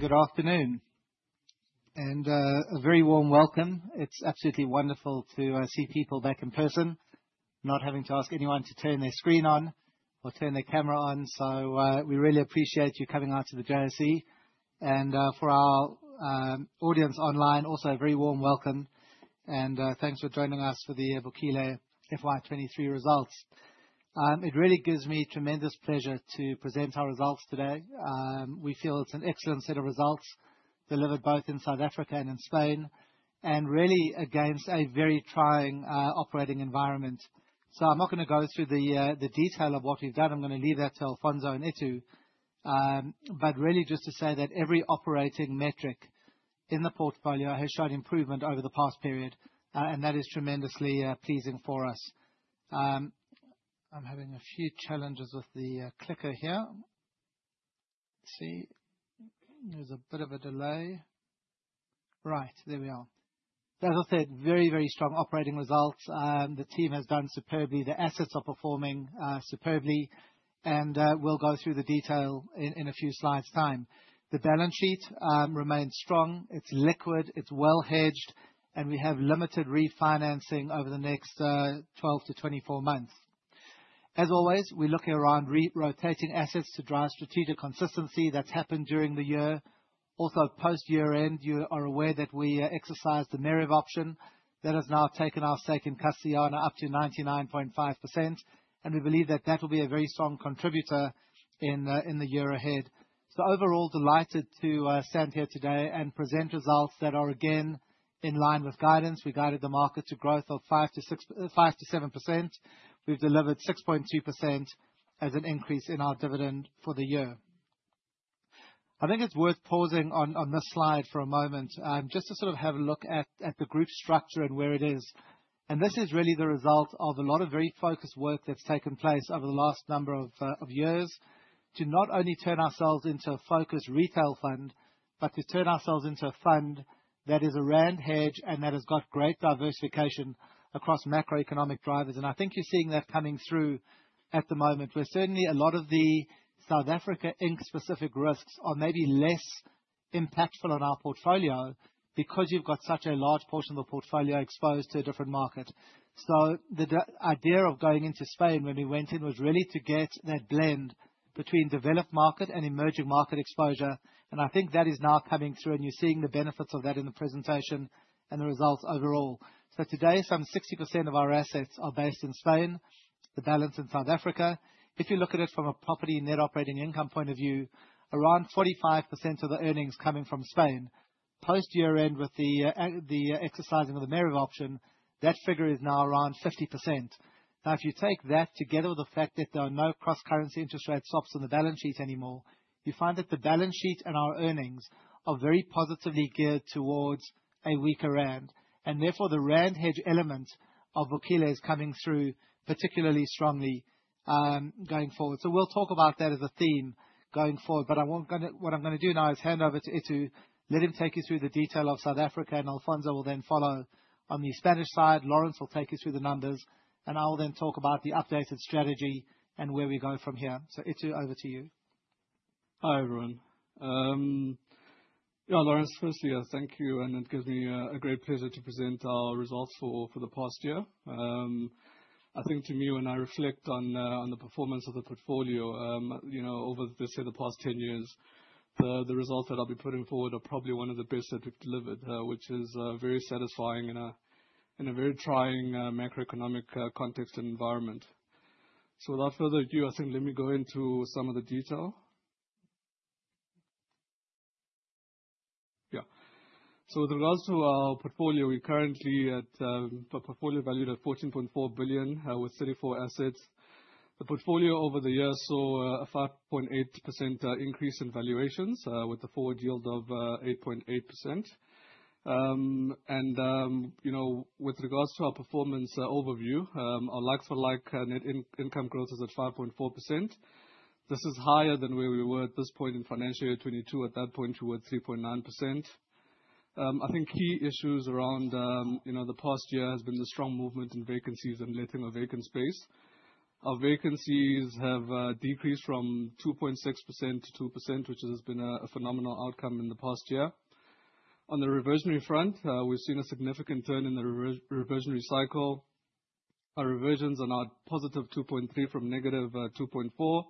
Good afternoon, a very warm welcome. It's absolutely wonderful to see people back in person, not having to ask anyone to turn their screen on or turn their camera on. We really appreciate you coming out to the JSE. For our audience online, also a very warm welcome and thanks for joining us for the Vukile FY 2023 results. It really gives me tremendous pleasure to present our results today. We feel it's an excellent set of results delivered both in South Africa and in Spain, and really against a very trying operating environment. I'm not gonna go through the detail of what we've done. I'm gonna leave that to Alfonso and Itumeleng. Really just to say that every operating metric in the portfolio has showed improvement over the past period, and that is tremendously pleasing for us. I'm having a few challenges with the clicker here. Let's see. There's a bit of a delay. Right. There we are. As I said, very, very strong operating results. The team has done superbly. The assets are performing superbly. We'll go through the detail in a few slides' time. The balance sheet remains strong. It's liquid, it's well hedged. We have limited refinancing over the next 12 to 24 months. As always, we're looking around re-rotating assets to drive strategic consistency. That's happened during the year. Post-year end, you are aware that we exercised the Meriv option. That has now taken our stake in Castellana up to 99.5%, we believe that that will be a very strong contributor in the year ahead. Overall, delighted to stand here today and present results that are again in line with guidance. We guided the market to growth of 5%-7%. We've delivered 6.2% as an increase in our dividend for the year. I think it's worth pausing on this slide for a moment, just to sort of have a look at the group structure and where it is. This is really the result of a lot of very focused work that's taken place over the last number of years to not only turn ourselves into a focused retail fund, but to turn ourselves into a fund that is a rand hedge and that has got great diversification across macroeconomic drivers. I think you're seeing that coming through at the moment, where certainly a lot of the South Africa Inc. specific risks are maybe less impactful on our portfolio because you've got such a large portion of the portfolio exposed to a different market. The idea of going into Spain when we went in was really to get that blend between developed market and emerging market exposure, and I think that is now coming through, and you're seeing the benefits of that in the presentation and the results overall. Today, some 60% of our assets are based in Spain, the balance in South Africa. If you look at it from a property net operating income point of view, around 45% of the earnings coming from Spain. Post-year end with the exercising of the Meriv option, that figure is now around 50%. If you take that together with the fact that there are no cross-currency interest rate swaps on the balance sheet anymore, you find that the balance sheet and our earnings are very positively geared towards a weaker rand. Therefore, the rand hedge element of Vukile is coming through particularly strongly going forward. We'll talk about that as a theme going forward. What I'm going to do now is hand over to Itumeleng, let him take you through the detail of South Africa, and Alfonso will then follow. On the Spanish side, Laurence will take you through the numbers, and I will then talk about the updated strategy and where we go from here. Itumeleng, over to you. Hi, everyone. Yeah, Laurence, firstly, thank you, and it gives me a great pleasure to present our results for the past year. I think to me, when I reflect on the performance of the portfolio, you know, over let's say the past 10 years, the results that I'll be putting forward are probably one of the best that we've delivered, which is very satisfying in a very trying macroeconomic context and environment. Without further ado, I think let me go into some of the detail. Yeah. With regards to our portfolio, we're currently at a portfolio valued at 14.4 billion with 34 assets. The portfolio over the years saw a 5.8% increase in valuations with a forward yield of 8.8%. With regards to our performance overview, our like-for-like net income growth is at 5.4%. This is higher than where we were at this point in financial year 22. At that point, we were at 3.9%. I think key issues around the past year has been the strong movement in vacancies and letting of vacant space. Our vacancies have decreased from 2.6% to 2%, which has been a phenomenal outcome in the past year. On the reversionary front, we've seen a significant turn in the reversionary cycle. Our reversions are now +2.3 from -2.4.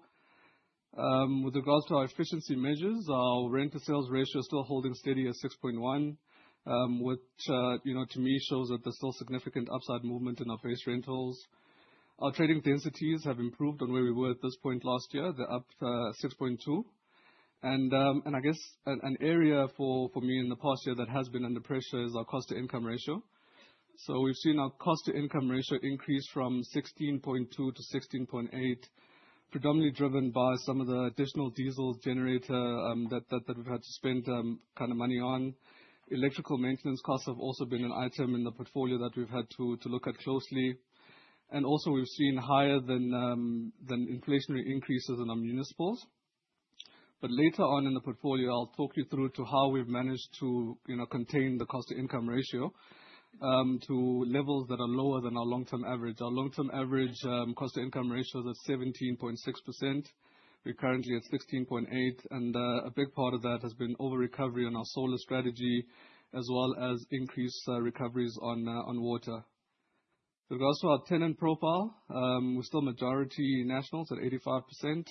With regards to our efficiency measures, our rent-to-sales ratio is still holding steady at 6.1%, you know, to me, shows that there's still significant upside movement in our base rentals. Our trading densities have improved on where we were at this point last year. They're up 6.2%. I guess an area for me in the past year that has been under pressure is our cost-to-income ratio. We've seen our cost-to-income ratio increase from 16.2% to 16.8%, predominantly driven by some of the additional diesel generator that we've had to spend kind of money on. Electrical maintenance costs have also been an item in the portfolio that we've had to look at closely. We've seen higher than inflationary increases in our municipals. Later on in the portfolio, I'll talk you through to how we've managed to, you know, contain the cost-to-income ratio to levels that are lower than our long-term average. Our long-term average cost-to-income ratio is at 17.6%. We're currently at 16.8%, a big part of that has been over-recovery on our solar strategy as well as increased recoveries on water. With regards to our tenant profile, we're still majority nationals at 85%.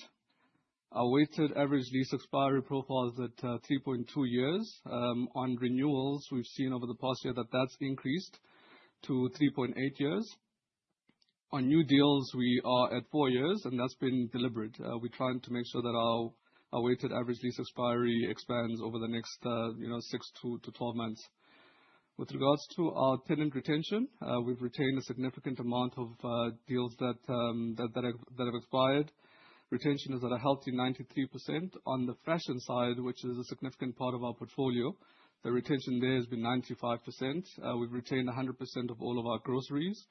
Our weighted average lease expiry profile is at 3.2 years. On renewals, we've seen over the past year that that's increased to 3.8 years. On new deals, we are at four years, that's been deliberate. We're trying to make sure that our weighted average lease expiry expands over the next, you know, six to 12 months. With regards to our tenant retention, we've retained a significant amount of deals that have expired. Retention is at a healthy 93%. On the fashion side, which is a significant part of our portfolio, the retention there has been 95%. We've retained 100% of all of our groceries.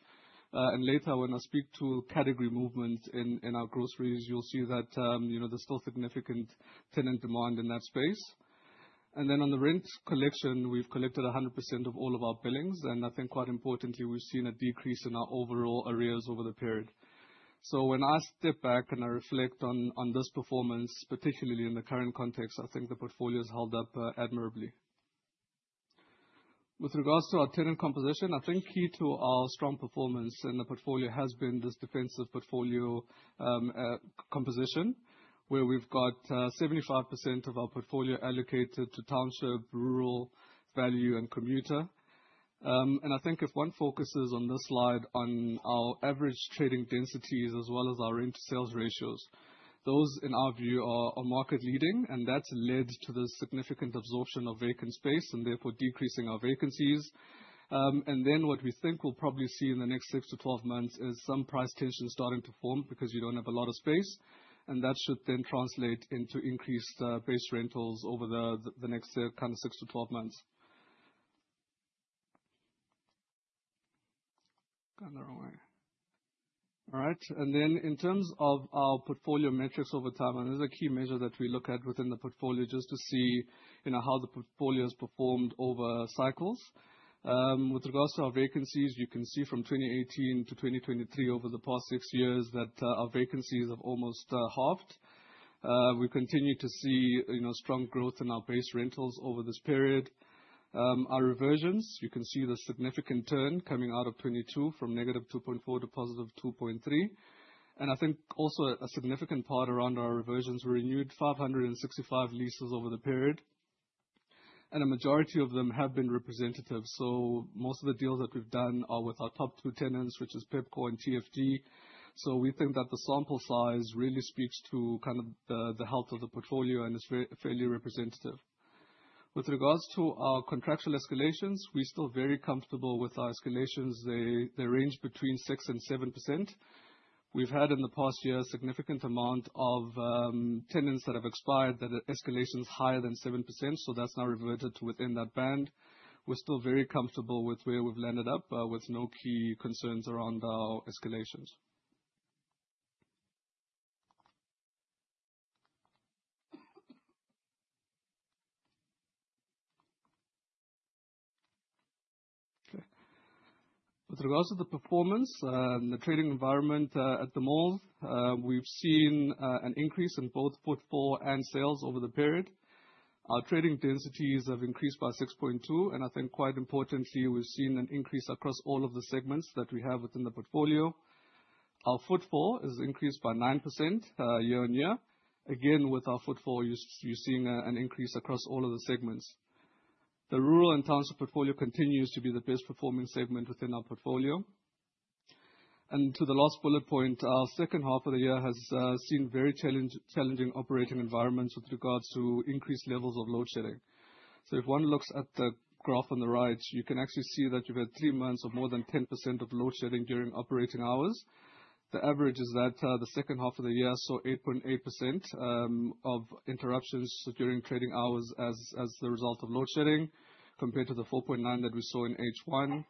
Later, when I speak to category movement in our groceries, you'll see that, you know, there's still significant tenant demand in that space. On the rent collection, we've collected 100% of all of our billings, and I think quite importantly, we've seen a decrease in our overall arrears over the period. When I step back and I reflect on this performance, particularly in the current context, I think the portfolio's held up admirably. With regards to our tenant composition, I think key to our strong performance in the portfolio has been this defensive portfolio composition, where we've got 75% of our portfolio allocated to township, rural, value, and commuter. I think if one focuses on this slide on our average trading densities as well as our rent to sales ratios, those, in our view, are market leading, and that's led to the significant absorption of vacant space and therefore decreasing our vacancies. What we think we'll probably see in the next six-12 months is some price tension starting to form because you don't have a lot of space, and that should then translate into increased base rentals over the next six-12 months. Going the wrong way. All right. In terms of our portfolio metrics over time, and this is a key measure that we look at within the portfolio just to see, you know, how the portfolio's performed over cycles. With regards to our vacancies, you can see from 2018 to 2023, over the past six years, that our vacancies have almost halved. We continue to see, you know, strong growth in our base rentals over this period. Our reversions, you can see the significant turn coming out of 22 from -2.4% to +2.3%. I think also a significant part around our reversions, we renewed 565 leases over the period, and a majority of them have been representative. Most of the deals that we've done are with our top two tenants, which is Pepkor and TFG. We think that the sample size really speaks to kind of the health of the portfolio, and it's fairly representative. With regards to our contractual escalations, we're still very comfortable with our escalations. They range between 6% and 7%. We've had, in the past year, a significant amount of tenants that have expired that had escalations higher than 7%, so that's now reverted to within that band. We're still very comfortable with where we've landed up, with no key concerns around our escalations. With regards to the performance, and the trading environment, at the malls, we've seen an increase in both footfall and sales over the period. Our trading densities have increased by 6.2, and I think quite importantly, we've seen an increase across all of the segments that we have within the portfolio. Our footfall is increased by 9%, year-on-year. Again, with our footfall, you're seeing an increase across all of the segments. The rural and township portfolio continues to be the best performing segment within our portfolio. To the last bullet point, our second half of the year has seen very challenging operating environments with regards to increased levels of load shedding. If one looks at the graph on the right, you can actually see that you've had three months of more than 10% of load shedding during operating hours. The average is that the second half of the year saw 8.8% of interruptions during trading hours as the result of load shedding compared to the 4.9% that we saw in H one.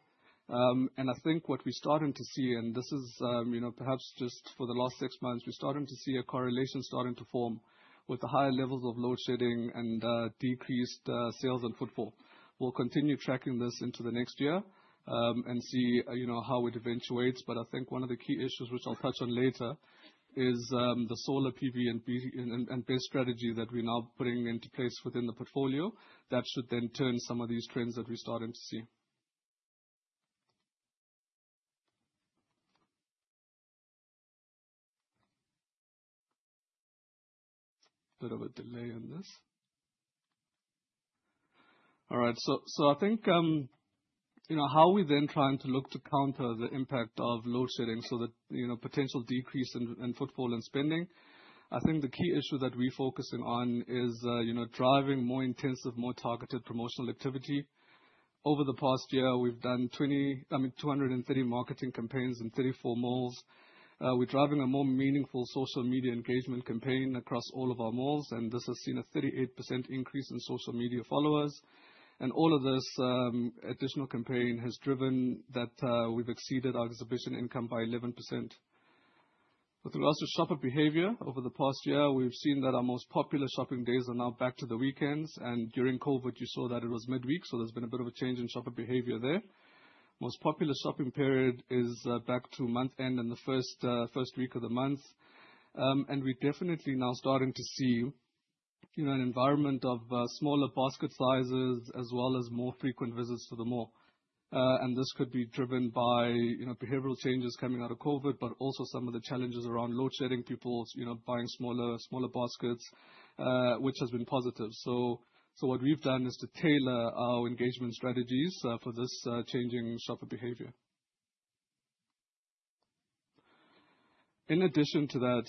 I think what we're starting to see, and this is, you know, perhaps just for the last six months, we're starting to see a correlation starting to form with the higher levels of load shedding and decreased sales and footfall. We'll continue tracking this into the next year and see, you know, how it eventuates. I think one of the key issues which I'll touch on later is the solar PV and base strategy that we're now putting into place within the portfolio. Should turn some of these trends that we're starting to see. Bit of a delay on this. All right. I think, you know, how we're trying to look to counter the impact of load shedding so that, you know, potential decrease in footfall and spending, I think the key issue that we're focusing on is, you know, driving more intensive, more targeted promotional activity. Over the past year, we've done 230 marketing campaigns in 34 malls. We're driving a more meaningful social media engagement campaign across all of our malls, and this has seen a 38% increase in social media followers. All of this additional campaign has driven that we've exceeded our exhibition income by 11%. With regards to shopper behavior over the past year, we've seen that our most popular shopping days are now back to the weekends. During COVID, you saw that it was midweek, so there's been a bit of a change in shopper behavior there. Most popular shopping period is back to month end and the first week of the month. We're definitely now starting to see, you know, an environment of smaller basket sizes as well as more frequent visits to the mall. This could be driven by, you know, behavioral changes coming out of COVID, but also some of the challenges around load shedding. People's, you know, buying smaller baskets, which has been positive. What we've done is to tailor our engagement strategies for this changing shopper behavior. In addition to that,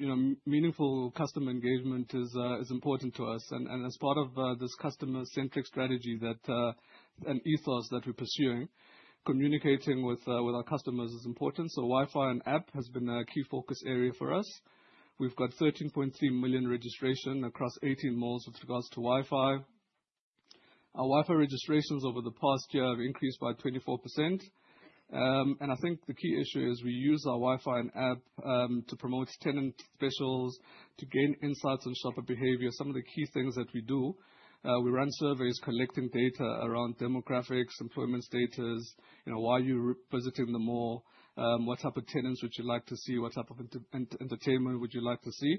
you know, meaningful customer engagement is important to us. As part of this customer-centric strategy that and ethos that we're pursuing, communicating with our customers is important. Wi-Fi and app has been a key focus area for us. We've got 13.3 million registration across 18 malls with regards to Wi-Fi. Our Wi-Fi registrations over the past year have increased by 24%. I think the key issue is we use our Wi-Fi and app to promote tenant specials, to gain insights on shopper behavior. Some of the key things that we do, we run surveys collecting data around demographics, employment status, you know, why you revisiting the mall, what type of tenants would you like to see? What type of entertainment would you like to see?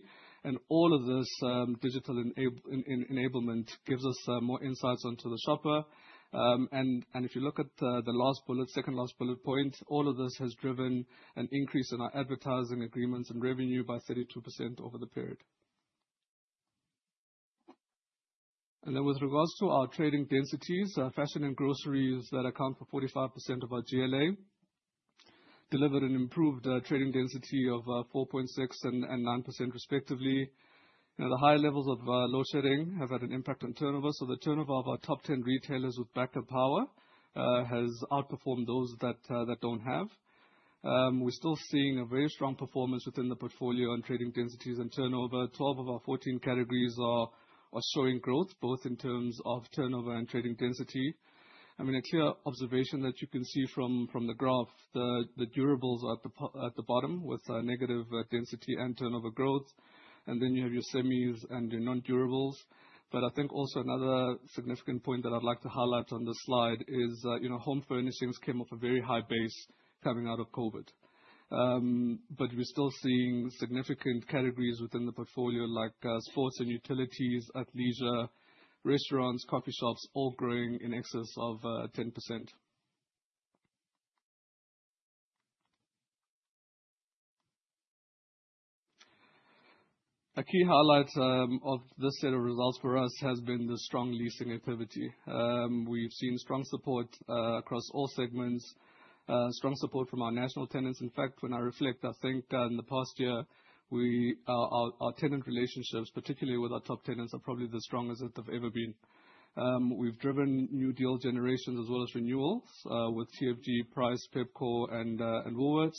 All of this digital enablement gives us more insights onto the shopper. If you look at the last bullet, second last bullet point, all of this has driven an increase in our advertising agreements and revenue by 32% over the period. With regards to our trading densities, fashion and groceries that account for 45% of our GLA delivered an improved trading density of 4.6 and 9% respectively. You know, the high levels of load shedding have had an impact on turnover. The turnover of our top 10 retailers with backup power has outperformed those that don't have. We're still seeing a very strong performance within the portfolio on trading densities and turnover. 12 of our 14 categories are showing growth, both in terms of turnover and trading density. I mean, a clear observation that you can see from the graph, the durables are at the bottom with negative density and turnover growth. You have your semis and your non-durables. I think also another significant point that I'd like to highlight on this slide is, you know, home furnishings came off a very high base coming out of COVID. We're still seeing significant categories within the portfolio, like sports and utilities, athleisure, restaurants, coffee shops, all growing in excess of 10%. A key highlight of this set of results for us has been the strong leasing activity. We've seen strong support across all segments. Strong support from our national tenants. In fact, when I reflect, I think in the past year, we, our tenant relationships, particularly with our top tenants, are probably the strongest that they've ever been. We've driven new deal generations as well as renewals with TFG, Price, Pepkor and Woolworths.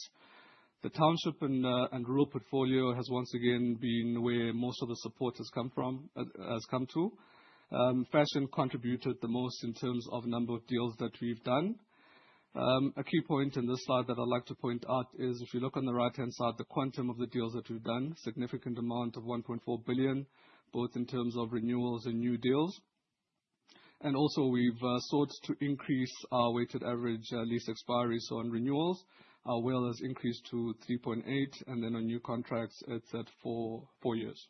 The township and rural portfolio has once again been where most of the support has come from, has come to. Fashion contributed the most in terms of number of deals that we've done. A key point in this slide that I'd like to point out is if you look on the right-hand side, the quantum of the deals that we've done, significant amount of 1.4 billion, both in terms of renewals and new deals. We've sought to increase our weighted average lease expiry. On renewals, our will has increased to 3.8, on new contracts it's at four years.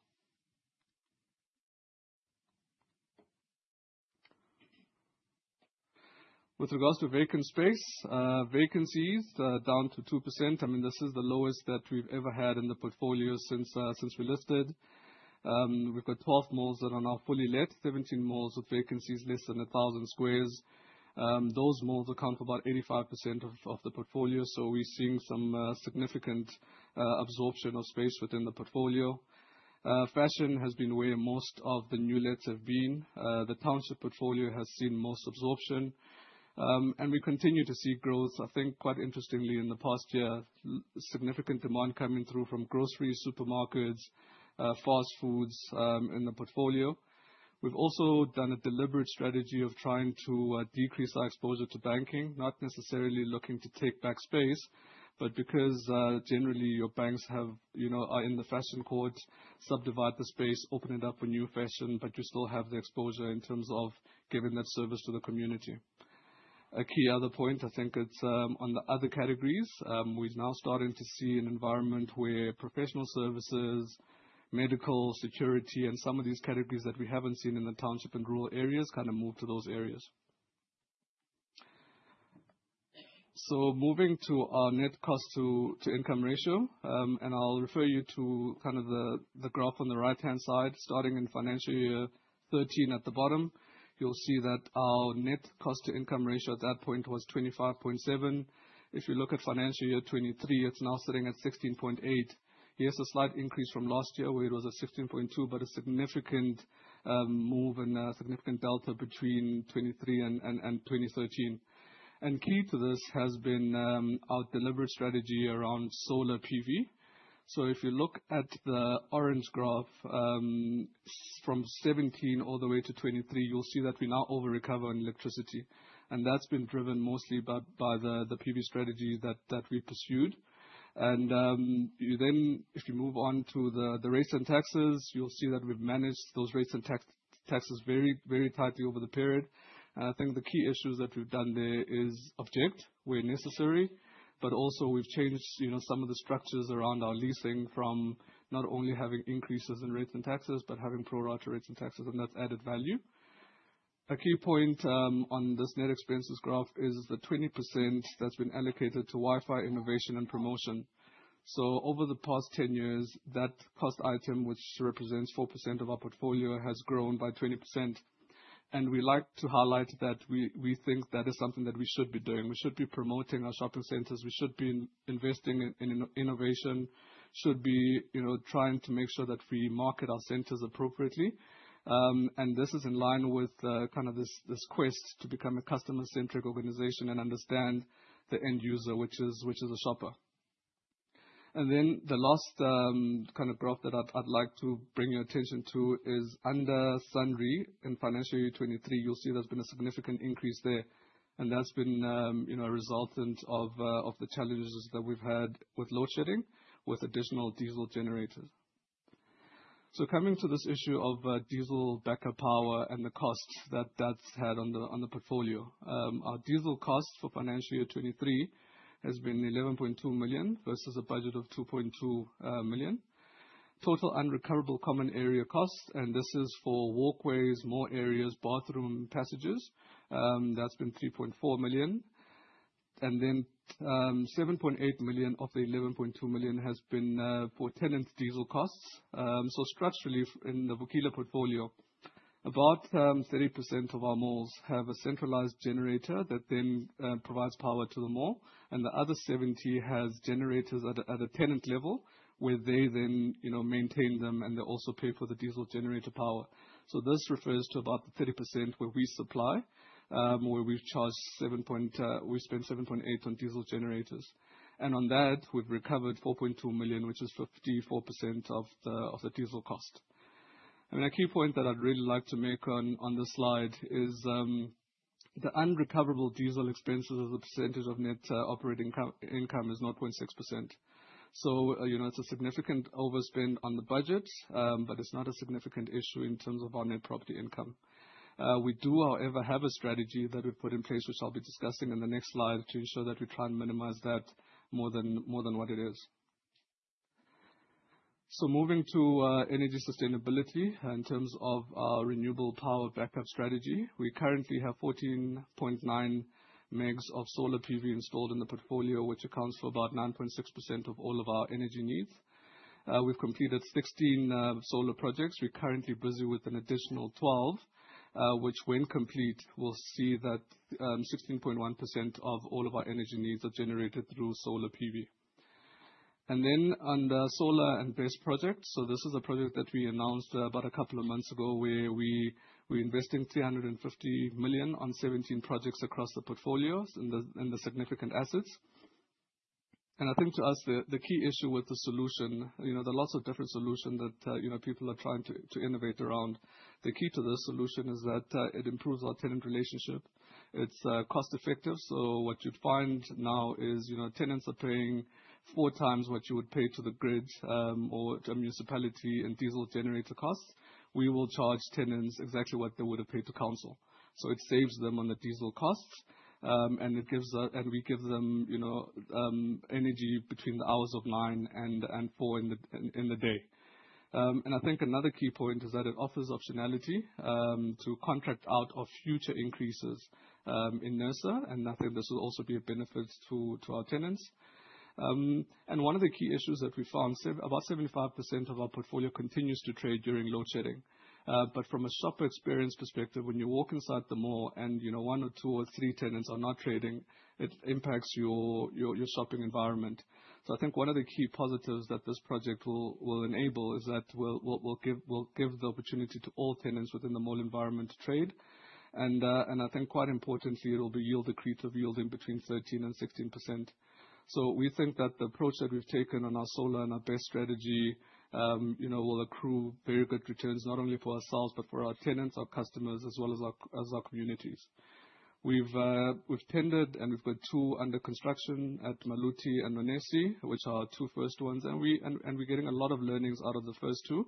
With regards to vacant space, vacancies down to 2%. I mean, this is the lowest that we've ever had in the portfolio since we listed. We've got 12 malls that are now fully let. 17 malls with vacancies less than 1,000 squares. Those malls account for about 85% of the portfolio. We're seeing some significant absorption of space within the portfolio. Fashion has been where most of the new lets have been. The township portfolio has seen most absorption. We continue to see growth. I think quite interestingly in the past year, significant demand coming through from grocery supermarkets, fast foods, in the portfolio. We've also done a deliberate strategy of trying to decrease our exposure to banking, not necessarily looking to take back space, but because generally your banks have, you know, are in the fashion courts, subdivide the space, open it up for new fashion, but you still have the exposure in terms of giving that service to the community. A key other point, I think it's, on the other categories, we're now starting to see an environment where professional services, medical, security, and some of these categories that we haven't seen in the township and rural areas kind of move to those areas. Moving to our net cost to income ratio, and I'll refer you to the graph on the right-hand side. Starting in financial year 2013 at the bottom, you'll see that our net cost to income ratio at that point was 25.7. If you look at financial year 2023, it's now sitting at 16.8. Yes, a slight increase from last year where it was at 16.2, but a significant move and a significant delta between 2023 and 2013. Key to this has been our deliberate strategy around solar PV. If you look at the orange graph, from 17 all the way to 23, you'll see that we now over-recover on electricity, and that's been driven mostly by the PV strategy that we pursued. If you move on to the rates and taxes, you'll see that we've managed those rates and taxes very, very tightly over the period. I think the key issues that we've done there is object where necessary, but also we've changed, you know, some of the structures around our leasing from not only having increases in rates and taxes, but having pro-rata rates and taxes, and that's added value. A key point on this net expenses graph is the 20% that's been allocated to Wi-Fi, innovation and promotion. Over the past 10 years, that cost item, which represents 4% of our portfolio, has grown by 20%. We like to highlight that we think that is something that we should be doing. We should be promoting our shopping centers. We should be investing in innovation. Should be, you know, trying to make sure that we market our centers appropriately. This is in line with kind of this quest to become a customer-centric organization and understand the end user, which is a shopper. The last kind of graph that I'd like to bring your attention to is under sundry in financial year 2023, you'll see there's been a significant increase there. That's been, you know, a resultant of the challenges that we've had with load shedding, with additional diesel generators. Coming to this issue of diesel backup power and the costs that that's had on the portfolio. Our diesel costs for financial year 2023 has been 11.2 million versus a budget of 2.2 million. Total unrecoverable common area costs, this is for walkways, mall areas, bathroom passages, that's been 3.4 million. 7.8 million of the 11.2 million has been for tenant diesel costs. Structurally in the Vukile portfolio, about 30% of our malls have a centralized generator that then provides power to the mall, and the other 70 has generators at a tenant level, where they then, you know, maintain them, and they also pay for the diesel generator power. This refers to about the 30% where we supply, we spend 7.8 on diesel generators. On that, we've recovered 4.2 million, which is 54% of the, of the diesel cost. A key point that I'd really like to make on this slide is the unrecoverable diesel expenses as a percentage of net operating income is 0.6%. You know, it's a significant overspend on the budget, but it's not a significant issue in terms of our net property income. We do, however, have a strategy that we've put in place, which I'll be discussing in the next slide, to ensure that we try and minimize that more than, more than what it is. Moving to energy sustainability in terms of our renewable power backup strategy. We currently have 14.9 megs of solar PV installed in the portfolio, which accounts for about 9.6% of all of our energy needs. We've completed 16 solar projects. We're currently busy with an additional 12, which when complete, we'll see that 16.1% of all of our energy needs are generated through solar PV. Under solar and base projects, this is a project that we announced about a couple of months ago, where we investing 350 million on 17 projects across the portfolios in the significant assets. I think to us, the key issue with the solution, you know, there are lots of different solution that, you know, people are trying to innovate around. The key to this solution is that it improves our tenant relationship. It's cost effective. What you'd find now is, you know, tenants are paying 4x what you would pay to the grid, or to a municipality in diesel generator costs. We will charge tenants exactly what they would have paid to council. It saves them on the diesel costs, and we give them, you know, energy between the hours of nine and four in the day. I think another key point is that it offers optionality to contract out of future increases in NERSA, and I think this will also be of benefit to our tenants. One of the key issues that we found, about 75% of our portfolio continues to trade during load shedding. From a shopper experience perspective, when you walk inside the mall and, you know, one or two or three tenants are not trading, it impacts your shopping environment. I think one of the key positives that this project will enable is that we'll give the opportunity to all tenants within the mall environment to trade. I think quite importantly, it will be yield accretive, yielding between 13% and 16%. We think that the approach that we've taken on our solar and our base strategy, you know, will accrue very good returns, not only for ourselves, but for our tenants, our customers, as well as our communities. We've tended, and we've got two under construction at Maluti and Nonesi, which are our two first ones. We're getting a lot of learnings out of the first two.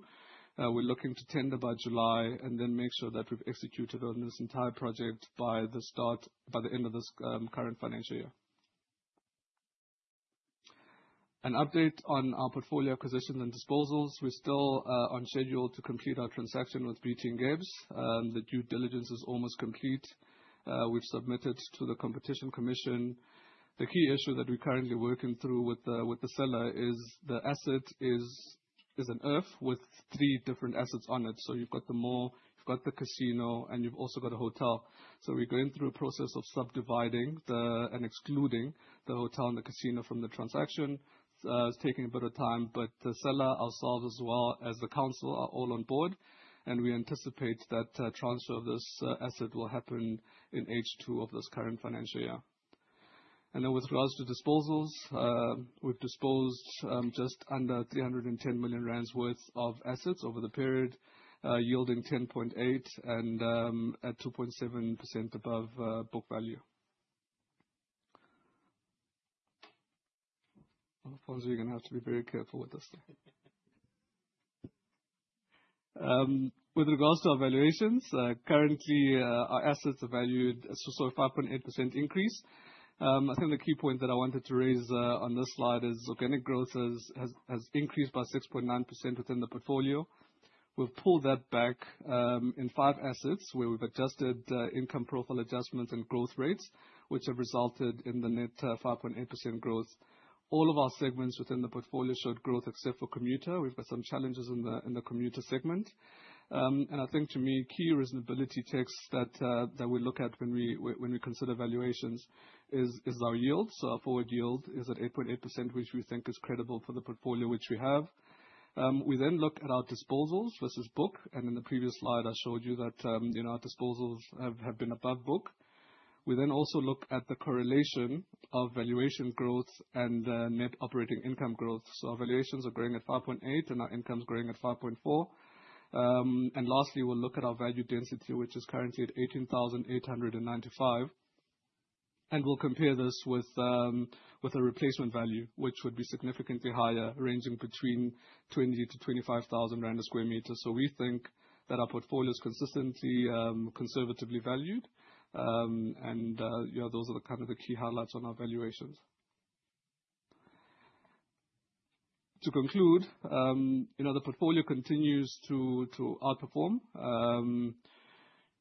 We're looking to tender by July and then make sure that we've executed on this entire project by the end of this current financial year. An update on our portfolio acquisitions and disposals. We're still on schedule to complete our transaction with BT Ngebs City. The due diligence is almost complete. We've submitted to the Competition Commission. The key issue that we're currently working through with the seller is an IRF with three different assets on it. You've got the mall, you've got the casino, and you've also got a hotel. We're going through a process of subdividing and excluding the hotel and the casino from the transaction. It's taking a bit of time, but the seller, ourselves as well as the council are all on board. We anticipate that transfer of this asset will happen in H2 of this current financial year. With regards to disposals, we've disposed just under 310 million rand worth of assets over the period, yielding 10.8 and at 2.7% above book value. Alfonso, you're gonna have to be very careful with this thing. With regards to our valuations, currently, our assets are valued at 5.8% increase. I think the key point that I wanted to raise on this slide is organic growth has increased by 6.9% within the portfolio. We'v pulled that back in five assets where we've adjusted income profile adjustments and growth rates, which have resulted in the net 5.8% growth. All of our segments within the portfolio showed growth except for commuter. We've got some challenges in the commuter segment. I think to me, key reasonability checks that we look at when we consider valuations is our yield. Our forward yield is at 8.8%, which we think is credible for the portfolio which we have. We then look at our disposals versus book. In the previous slide I showed you that, you know, our disposals have been above book. We also look at the correlation of valuation growth and net operating income growth. Our valuations are growing at 5.8% and our income's growing at 5.4%. Lastly, we'll look at our value density, which is currently at 18,895, and we'll compare this with a replacement value, which would be significantly higher, ranging between 20,000-25,000 rand a square meter. We think that our portfolio is consistently conservatively valued. You know, those are the kind of the key highlights on our valuations. To conclude, you know, the portfolio continues to outperform.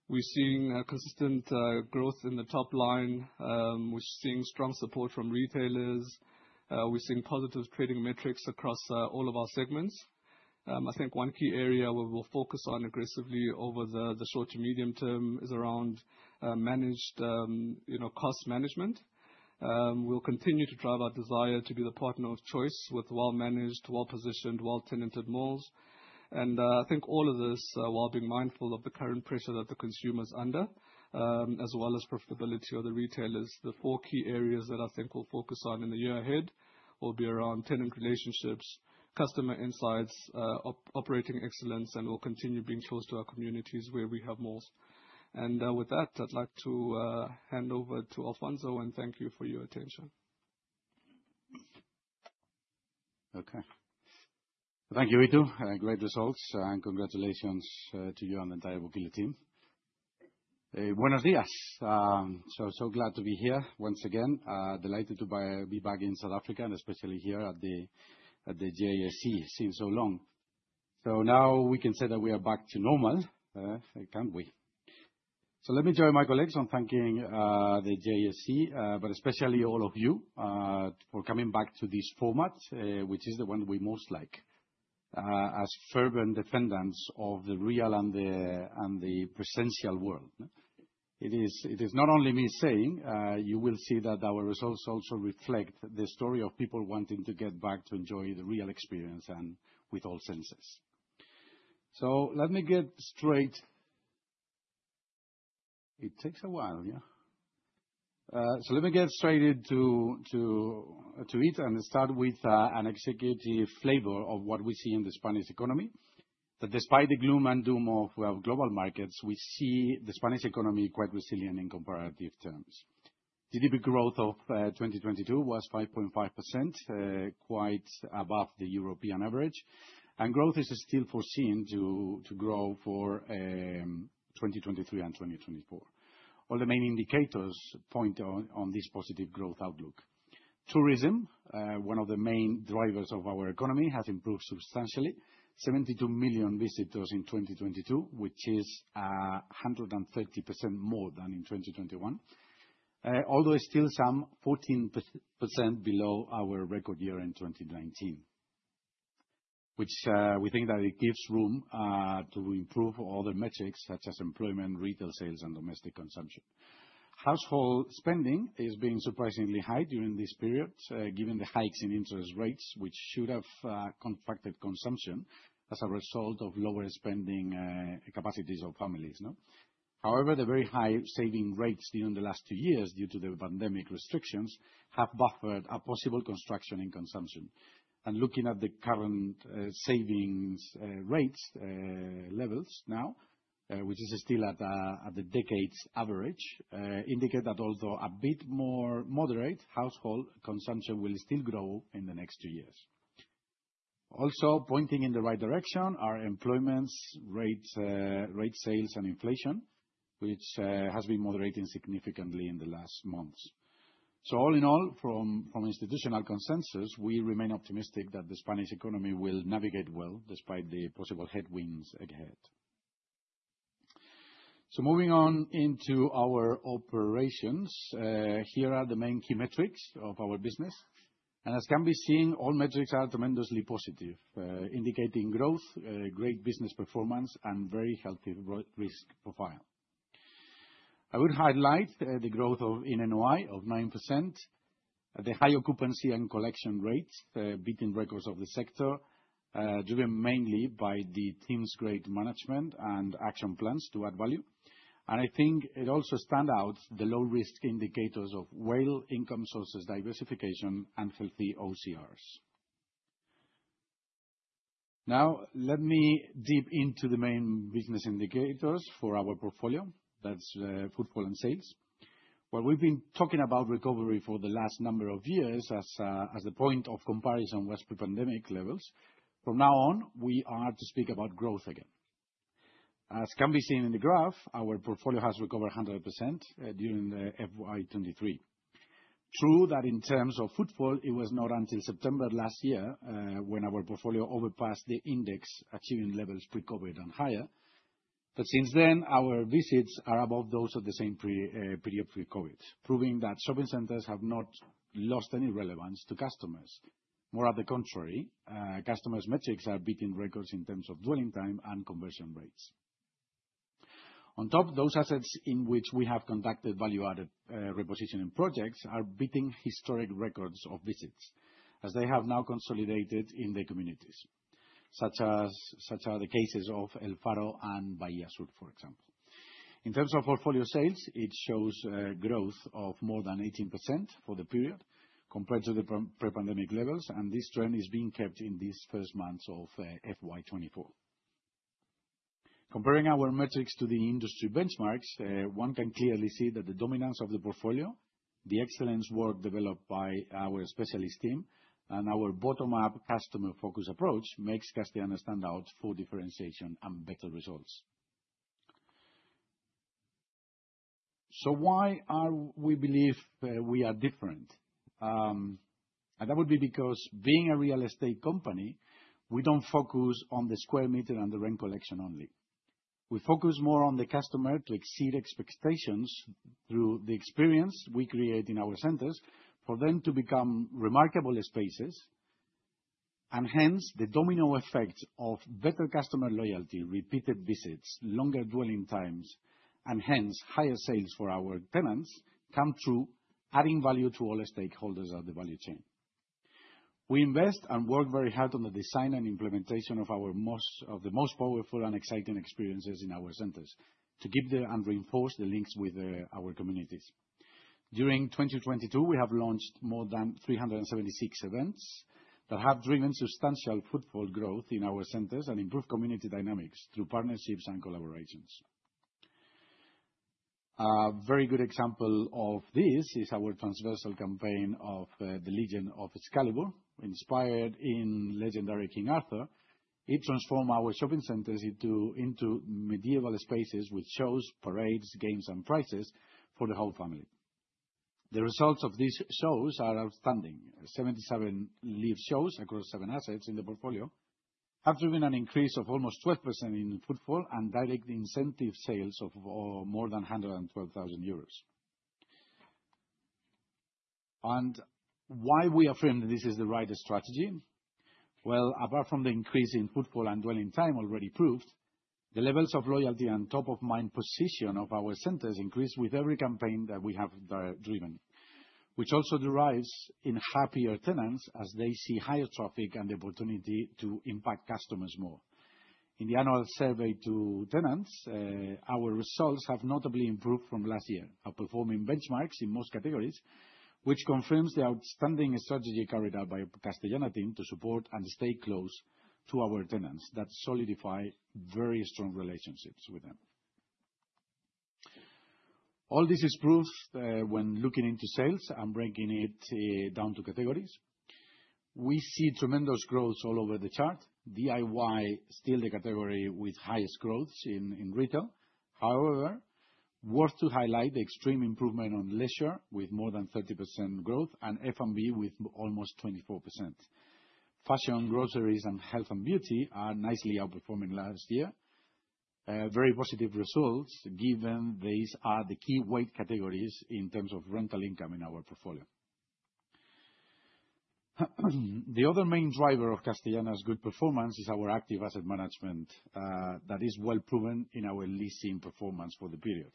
We're seeing consistent growth in the top line. We're seeing strong support from retailers. We're seeing positive trading metrics across all of our segments. I think one key area where we'll focus on aggressively over the short to medium term is around, you know, cost management. We'll continue to drive our desire to be the partner of choice with well-managed, well-positioned, well-tenanted malls. I think all of this while being mindful of the current pressure that the consumer's under, as well as profitability of the retailers. The four key areas that I think we'll focus on in the year ahead will be around tenant relationships, customer insights, operating excellence, and we'll continue being chose to our communities where we have malls. With that, I'd like to hand over to Alfonso, and thank you for your attention. Okay. Thank you, Ito. Great results, and congratulations to you and the entire Vukile team. Buenos dias. So glad to be here once again. Delighted to be back in South Africa, especially here at the JSE. It's been so long. Now we can say that we are back to normal, can't we? Let me join my colleagues on thanking the JSE, especially all of you for coming back to this format, which is the one we most like as fervent defendants of the real and the presential world. It is not only me saying, you will see that our results also reflect the story of people wanting to get back to enjoy the real experience and with all senses. Let me get straight... It takes a while, yeah. So let me get straight into it and start with an executive flavor of what we see in the Spanish economy. That despite the gloom and doom of our global markets, we see the Spanish economy quite resilient in comparative terms. GDP growth of 2022 was 5.5% quite above the European average. Growth is still foreseen to grow for 2023 and 2024. All the main indicators point on this positive growth outlook. Tourism, one of the main drivers of our economy, has improved substantially. 72 million visitors in 2022, which is 130% more than in 2021. Although still some 14% below our record year end 2019, which, we think that it gives room to improve other metrics such as employment, retail sales, and domestic consumption. Household spending is being surprisingly high during this period, given the hikes in interest rates, which should have contracted consumption as a result of lower spending capacities of families, no? However, the very high saving rates during the last two years due to the pandemic restrictions have buffered a possible construction in consumption. Looking at the current savings rates levels now, which is still at the decades average, indicate that although a bit more moderate, household consumption will still grow in the next two years. Also pointing in the right direction are employment rate, sales and inflation, which has been moderating significantly in the last months. All in all, from institutional consensus, we remain optimistic that the Spanish economy will navigate well despite the possible headwinds ahead. Moving on into our operations, here are the main key metrics of our business. As can be seen, all metrics are tremendously positive, indicating growth, great business performance, and very healthy risk profile. I would highlight the growth in NOI of 9%. The high occupancy and collection rates, beating records of the sector, driven mainly by the team's great management and action plans to add value. I think it also stand out the low-risk indicators of well income sources diversification and healthy OCRs. Let me deep into the main business indicators for our portfolio. That's footfall and sales. We've been talking about recovery for the last number of years as the point of comparison was pre-pandemic levels, from now on, we are to speak about growth again. As can be seen in the graph, our portfolio has recovered 100% during the FY 2023. True that in terms of footfall, it was not until September last year when our portfolio overpassed the index achieving levels pre-COVID and higher. Since then, our visits are above those of the same period pre-COVID, proving that shopping centers have not lost any relevance to customers. More at the contrary, customers metrics are beating records in terms of dwelling time and conversion rates. On top of those assets in which we have conducted value-added repositioning projects are beating historic records of visits, as they have now consolidated in the communities, such are the cases of El Faro and Bahía Sur, for example. In terms of portfolio sales, it shows growth of more than 18% for the period compared to the pre-pandemic levels, and this trend is being kept in these first months of FY 2024. Comparing our metrics to the industry benchmarks, one can clearly see that the dominance of the portfolio, the excellence work developed by our specialist team, and our bottom-up customer focus approach makes Castellana stand out for differentiation and better results. Why we believe we are different? That would be because being a real estate company, we don't focus on the square meter and the rent collection only. We focus more on the customer to exceed expectations through the experience we create in our centers for them to become remarkable spaces, and hence, the domino effect of better customer loyalty, repeated visits, longer dwelling times, and hence, higher sales for our tenants come through, adding value to all stakeholders of the value chain. We invest and work very hard on the design and implementation of the most powerful and exciting experiences in our centers to give the, and reinforce the links with our communities. During 2022, we have launched more than 376 events that have driven substantial footfall growth in our centers and improved community dynamics through partnerships and collaborations. A very good example of this is our transversal campaign of the Legion of Excalibur, inspired in legendary King Arthur. It transform our shopping centers into medieval spaces with shows, parades, games, and prizes for the whole family. The results of these shows are outstanding. 77 live shows across seven assets in the portfolio have driven an increase of almost 12% in footfall and direct incentive sales of more than 112,000 euros. Why we affirm that this is the right strategy? Well, apart from the increase in footfall and dwelling time already proved, the levels of loyalty and top-of-mind position of our centers increase with every campaign that we have driven, which also derives in happier tenants as they see higher traffic and the opportunity to impact customers more. In the annual survey to tenants, our results have notably improved from last year. Our performing benchmarks in most categories, which confirms the outstanding strategy carried out by Castellana team to support and stay close to our tenants that solidify very strong relationships with them. All this is proved when looking into sales and breaking it down to categories. We see tremendous growth all over the chart. DIY still the category with highest growths in retail. Worth to highlight the extreme improvement on leisure with more than 30% growth and F&B with almost 24%. Fashion, groceries, and health and beauty are nicely outperforming last year. Very positive results given these are the key weight categories in terms of rental income in our portfolio. The other main driver of Castellana's good performance is our active asset management that is well proven in our leasing performance for the period.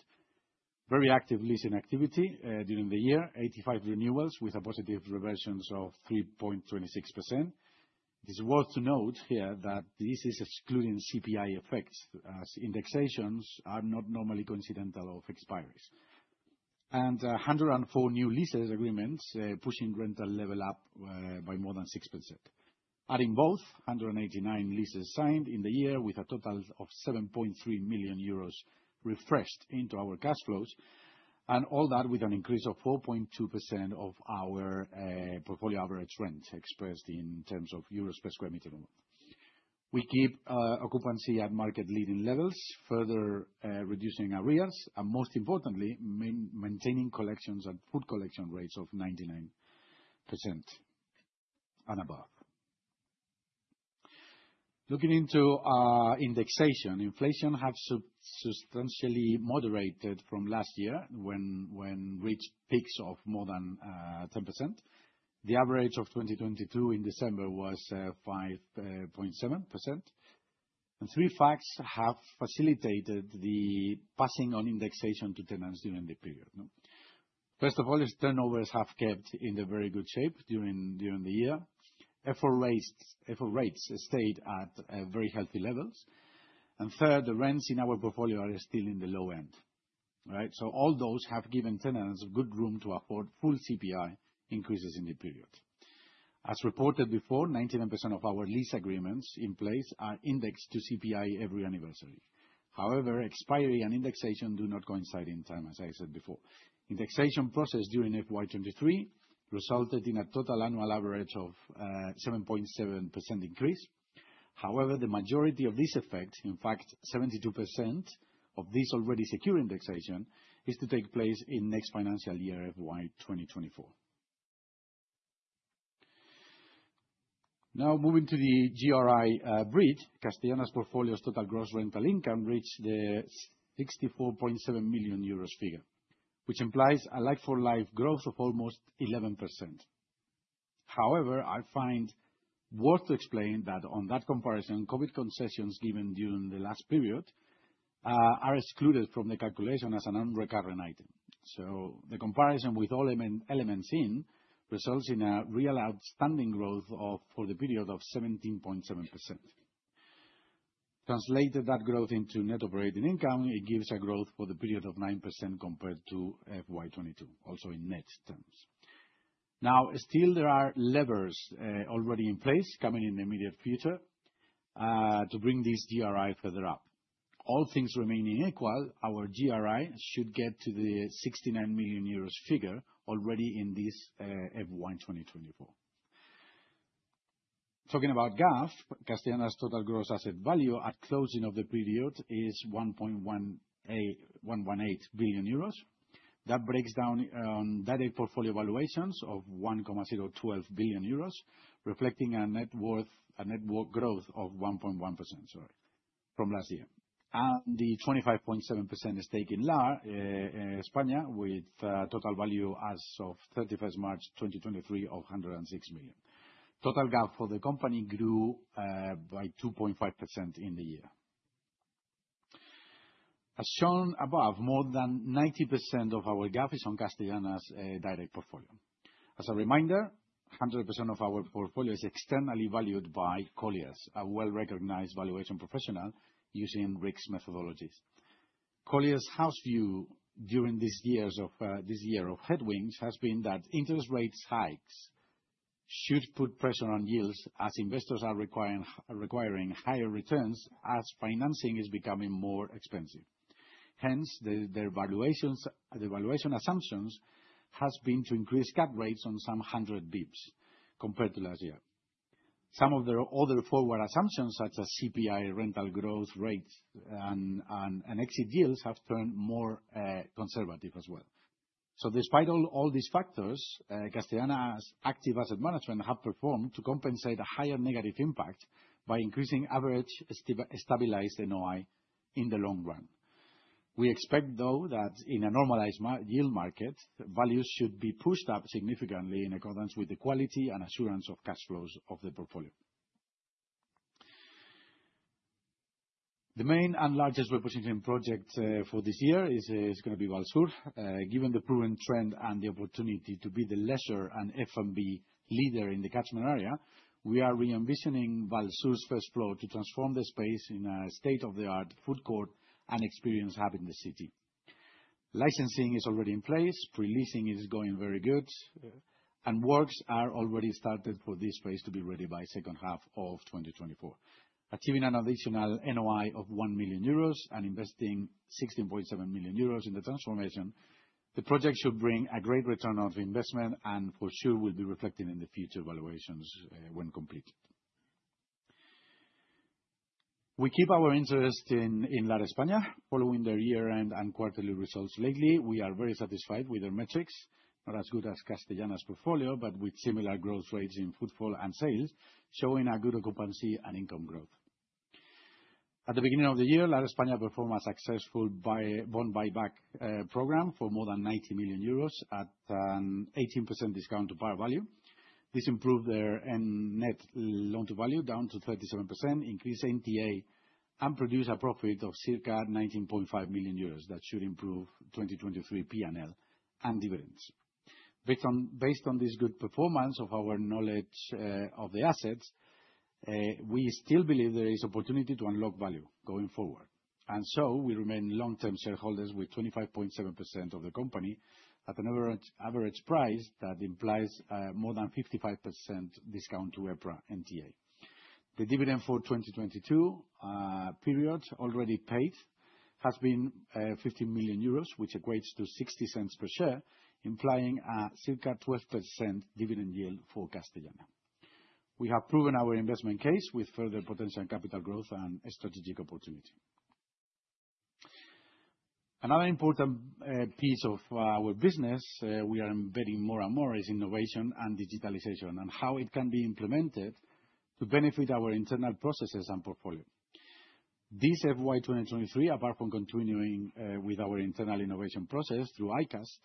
Very active leasing activity during the year. 85 renewals with a positive reversions of 3.26%. It's worth to note here that this is excluding CPI effects, as indexations are not normally coincidental of expiries. 104 new leases agreements pushing rental level up by more than 6%. Adding both, 189 leases signed in the year with a total of 7.3 million euros refreshed into our cash flows, and all that with an increase of 4.2% of our portfolio average rent expressed in terms of euros per square meter a month. We keep occupancy at market leading levels, further reducing arrears, and most importantly, maintaining collections and full collection rates of 99% and above. Looking into our indexation, inflation has substantially moderated from last year when reached peaks of more than 10%. The average of 2022 in December was 5.7%. Three facts have facilitated the passing on indexation to tenants during the period, no? First of all is turnovers have kept in a very good shape during the year. Effort rates stayed at very healthy levels. Third, the rents in our portfolio are still in the low end. All right? All those have given tenants good room to afford full CPI increases in the period. As reported before, 99% of our lease agreements in place are indexed to CPI every anniversary. Expiry and indexation do not coincide in time, as I said before. Indexation process during FY 2023 resulted in a total annual average of 7.7% increase. The majority of this effect, in fact 72% of this already secure indexation, is to take place in next financial year, FY 2024. Moving to the GRI bridge, Castellana's portfolio's total gross rental income reached the 64.7 million euros figure, which implies a like-for-like growth of almost 11%. I find worth to explain that on that comparison, COVID concessions given during the last period are excluded from the calculation as a non-recurring item. The comparison with all elements in results in a real outstanding growth of, for the period of 17.7%. Translated that growth into net operating income, it gives a growth for the period of 9% compared to FY 2022, also in net terms. Still there are levers already in place coming in the immediate future to bring this GRI further up. All things remaining equal, our GRI should get to the 69 million euros figure already in this FY 2024. Talking about GAV, Castellana's total gross asset value at closing of the period is 1.18 billion euros. That breaks down on direct portfolio valuations of 1.012 billion euros, reflecting a net worth growth of 1.1% from last year. The 25.7% stake in LAR España, with total value as of 31st March 2023 of 106 million. Total GAV for the company grew by 2.5% in the year. As shown above, more than 90% of our GAV is on Castellana's direct portfolio. As a reminder, 100% of our portfolio is externally valued by Colliers, a well-recognized valuation professional using RICS methodologies. Colliers' house view during these years of this year of headwinds has been that interest rates hikes should put pressure on yields as investors are requiring higher returns as financing is becoming more expensive. Hence, their valuations, the valuation assumptions has been to increase cap rates on some 100 basis points compared to last year. Some of their other forward assumptions, such as CPI, rental growth rates, and exit deals, have turned more conservative as well. Despite all these factors, Castellana's active asset management have performed to compensate a higher negative impact by increasing average stabilized NOI in the long run. We expect, though, that in a normalized yield market, values should be pushed up significantly in accordance with the quality and assurance of cash flows of the portfolio. The main and largest repositioning project for this year is gonna be Vallsur. Given the proven trend and the opportunity to be the leisure and F&B leader in the catchment area, we are re-envisioning Vallsur's first floor to transform the space in a state-of-the-art food court and experience hub in the city. Licensing is already in place, pre-leasing is going very good, and works are already started for this space to be ready by second half of 2024. Achieving an additional NOI of one million euros and investing 16.7 million euros in the transformation, the project should bring a great ROI and for sure will be reflected in the future valuations when complete. We keep our interest in Lar España. Following their year-end and quarterly results lately, we are very satisfied with their metrics. Not as good as Castellana's portfolio, but with similar growth rates in footfall and sales, showing a good occupancy and income growth. At the beginning of the year, Lar España performed a successful bond buyback program for more than 90 million euros at an 18% discount to par value. This improved their net loan-to-value down to 37%, increased NTA, and produced a profit of circa 19.5 million euros. That should improve 2023 PNL and dividends. Based on this good performance of our knowledge of the assets, we still believe there is opportunity to unlock value going forward. We remain long-term shareholders with 25.7% of the company at an average price that implies more than 55% discount to EPRA NTA. The dividend for 2022 period already paid has been 50 million euros, which equates to 0.60 per share, implying a circa 12% dividend yield for Castellana. We have proven our investment case with further potential capital growth and strategic opportunity. Another important piece of our business we are embedding more and more is innovation and digitalization and how it can be implemented to benefit our internal processes and portfolio. This FY2023, apart from continuing with our internal innovation process through iCast,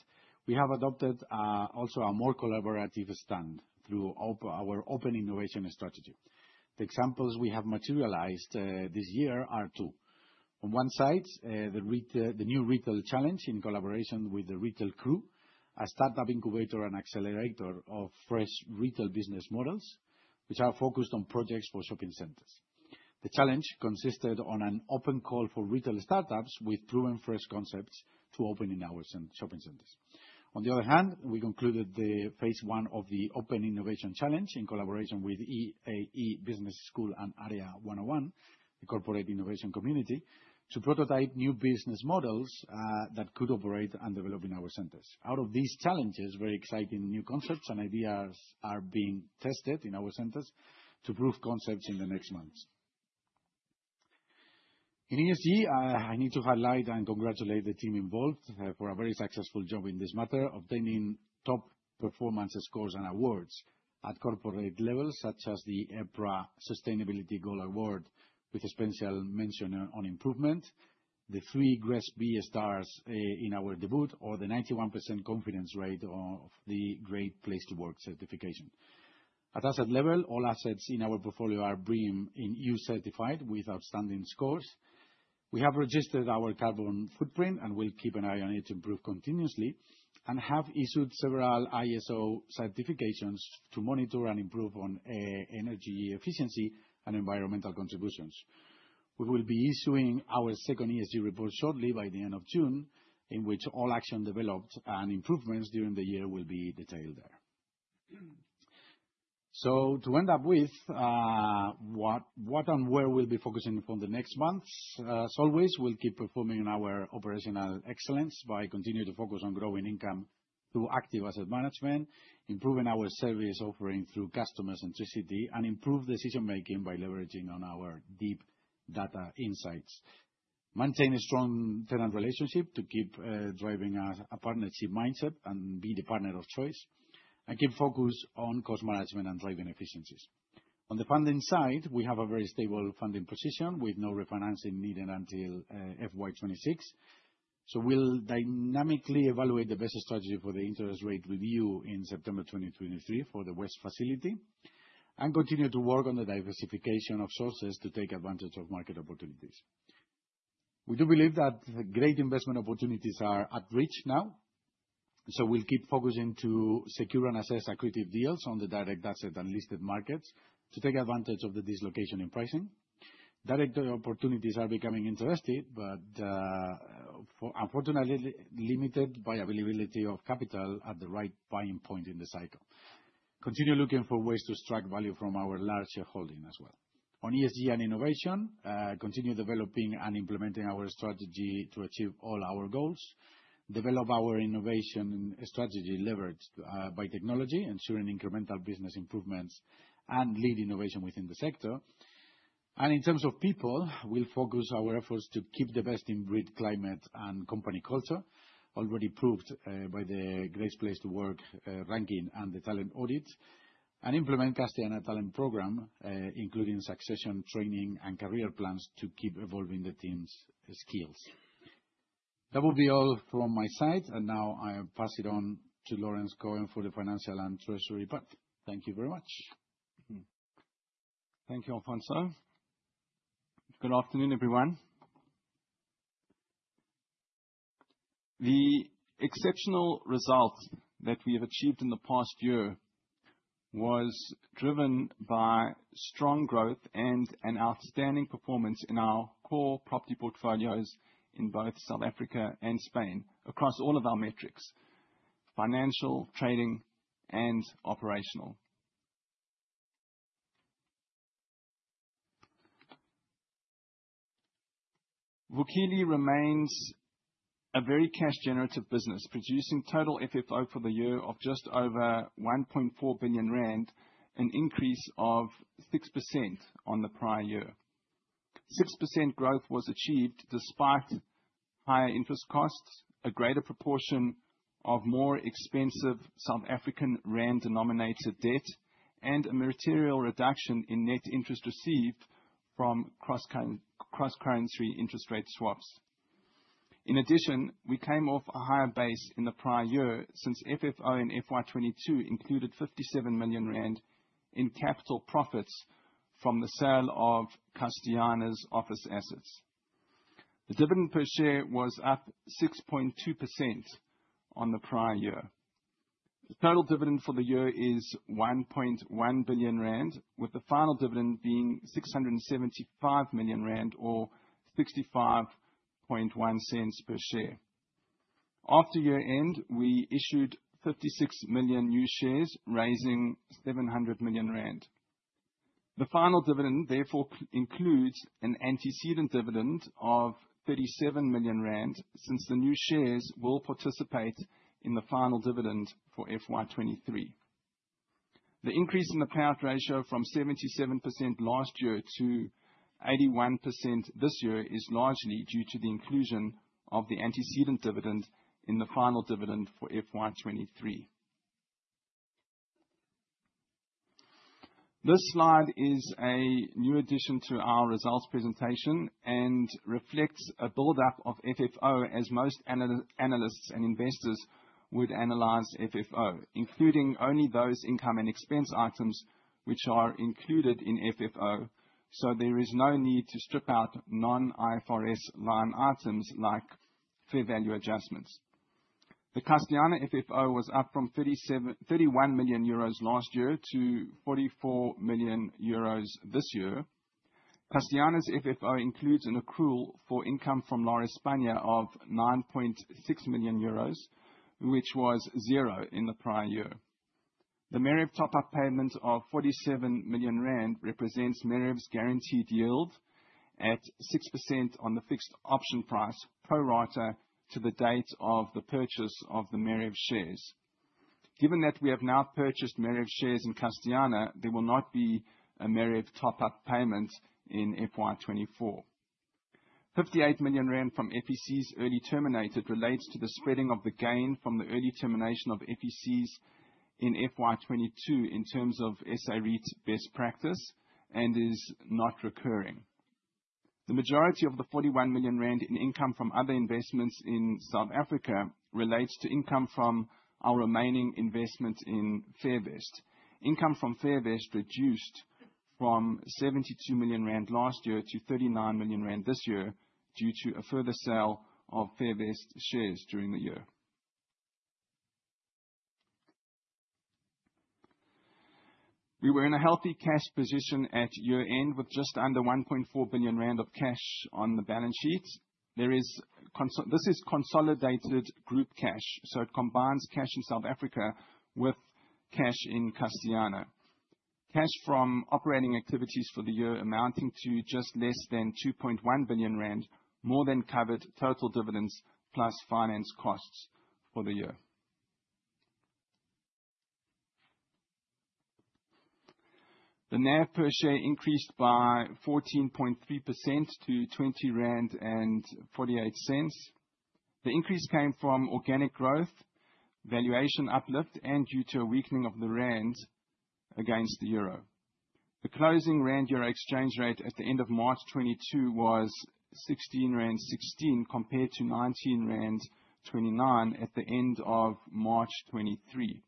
we have adopted also a more collaborative stand through our open innovation strategy. The examples we have materialized this year are two. On one side, the new retail challenge in collaboration with the Retail Crew, a startup incubator and accelerator of fresh retail business models which are focused on projects for shopping centers. The challenge consisted on an open call for retail startups with proven fresh concepts to open in our shopping centers. On the other hand, we concluded the phase one of the open innovation challenge in collaboration with EAE Business School and AREA101, the corporate innovation community, to prototype new business models that could operate and develop in our centers. Out of these challenges, very exciting new concepts and ideas are being tested in our centers to prove concepts in the next months. In ESG, I need to highlight and congratulate the team involved for a very successful job in this matter, obtaining top performance scores and awards at corporate levels, such as the EPRA Sustainability Gold Award, with a special mention on improvement, the three GRESB stars in our debut, or the 91% confidence rate of the Great Place to Work certification. At asset level, all assets in our portfolio are BREEAM In-Use certified with outstanding scores. We have registered our carbon footprint and will keep an eye on it to improve continuously, and have issued several ISO certifications to monitor and improve on energy efficiency and environmental contributions. We will be issuing our second ESG report shortly by the end of June, in which all action developed and improvements during the year will be detailed there. To end up with what and where we'll be focusing upon the next months. As always, we'll keep performing our operational excellence by continuing to focus on growing income through active asset management, improving our service offering through customer centricity, and improve decision making by leveraging on our deep data insights. Maintain a strong tenant relationship to keep driving a partnership mindset and be the partner of choice and keep focused on cost management and driving efficiencies. On the funding side, we have a very stable funding position with no refinancing needed until FY 2026. We'll dynamically evaluate the best strategy for the interest rate review in September 2023 for the West facility and continue to work on the diversification of sources to take advantage of market opportunities. We do believe that great investment opportunities are at reach now. We'll keep focusing to secure and assess accretive deals on the direct asset and listed markets to take advantage of the dislocation in pricing. Direct opportunities are becoming interesting. Unfortunately, limited by availability of capital at the right buying point in the cycle. Continue looking for ways to strike value from our large shareholding as well. On ESG and innovation, continue developing and implementing our strategy to achieve all our goals, develop our innovation strategy leveraged by technology, ensuring incremental business improvements and lead innovation within the sector. In terms of people, we'll focus our efforts to keep the best-in-breed climate and company culture already proved by the Great Place to Work ranking and the talent audit, and implement Castellana talent programme, including succession training and career plans to keep evolving the team's skills. That will be all from my side. Now I'll pass it on to Laurence Cohen for the financial and treasury part. Thank you very much. Thank you, Alfonso. Good afternoon, everyone. The exceptional results that we have achieved in the past year was driven by strong growth and an outstanding performance in our core property portfolios in both South Africa and Spain across all of our metrics: financial, trading, and operational. Vukile remains a very cash generative business, producing total FFO for the year of just over 1.4 billion rand, an increase of 6% on the prior year. 6% growth was achieved despite higher interest costs, a greater proportion of more expensive South African rand-denominated debt, and a material reduction in net interest received from cross-currency interest rate swaps. In addition, we came off a higher base in the prior year, since FFO in FY 2022 included 57 million rand in capital profits from the sale of Castellana's office assets. The dividend per share was up 6.2% on the prior year. The total dividend for the year is 1.1 billion rand, with the final dividend being 675 million rand, or 0.651 per share. After year-end, we issued 56 million new shares, raising 700 million rand. The final dividend, therefore, includes an antecedent dividend of 37 million rand, since the new shares will participate in the final dividend for FY 2023. The increase in the payout ratio from 77% last year to 81% this year is largely due to the inclusion of the antecedent dividend in the final dividend for FY 2023. This slide is a new addition to our results presentation and reflects a build-up of FFO as most analysts and investors would analyze FFO, including only those income and expense items which are included in FFO. There is no need to strip out non-IFRS line items like fair value adjustments. The Castellana FFO was up from 31 million euros last year to 44 million euros this year. Castellana's FFO includes an accrual for income from Lar España of 9.6 million euros, which was zero in the prior year. The Meriv top-up payment of 47 million rand represents Meriv's guaranteed yield at 6% on the fixed option price, pro rata to the date of the purchase of the Meriv shares. Given that we have now purchased Meriv shares in Castellana, there will not be a Meriv top-up payment in FY 2024. 58 million rand from FECs early terminated relates to the spreading of the gain from the early termination of FECs in FY 2022 in terms of SA REIT's best practice and is not recurring. The majority of the 41 million rand in income from other investments in South Africa relates to income from our remaining investment in Fairvest. Income from Fairvest reduced from 72 million rand last year to 39 million rand this year due to a further sale of Fairvest shares during the year. We were in a healthy cash position at year-end with just under 1.4 billion rand of cash on the balance sheet. This is consolidated group cash, so it combines cash in South Africa with cash in Castellana. Cash from operating activities for the year amounting to just less than 2.1 billion rand, more than covered total dividends plus finance costs for the year. The NAV per share increased by 14.3% to 20.48 rand. The increase came from organic growth, valuation uplift, and due to a weakening of the rand against the euro. The closing rand-euro exchange rate at the end of March 2022 was 16.16 compared to 19.29 rand at the end of March 2023.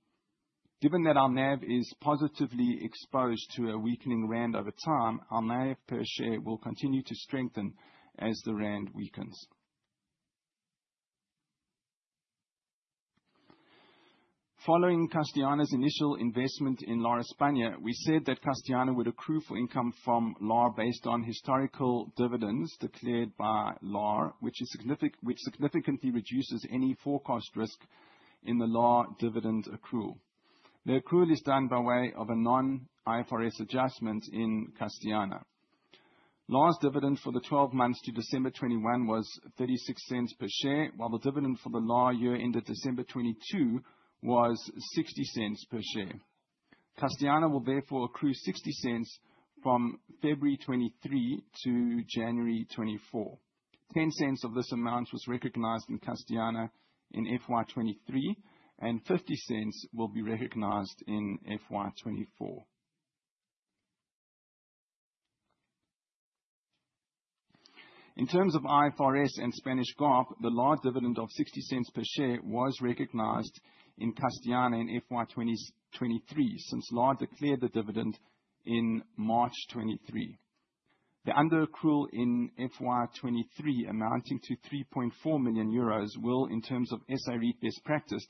Given that our NAV is positively exposed to a weakening rand over time, our NAV per share will continue to strengthen as the rand weakens. Following Castellana's initial investment in Lar España, we said that Castellana would accrue for income from Lar based on historical dividends declared by Lar, which significantly reduces any forecast risk in the Lar dividend accrual. The accrual is done by way of a non-IFRS adjustment in Castellana. Lar's dividend for the 12 months to December 2021 was 0.36 per share, while the dividend for the Lar year ended December 2022 was 0.60 per share. Castellana will therefore accrue 0.60 from February 2023 to January 2024. 0.10 of this amount was recognized in Castellana in FY 2023, and 0.50 will be recognized in FY 2024. In terms of IFRS and Spanish GAAP, the Lar dividend of 0.60 per share was recognized in Castellana in FY 2023 since Lar declared the dividend in March 2023. The under accrual in FY 2023 amounting to 3.4 million euros will, in terms of SA REIT best practice,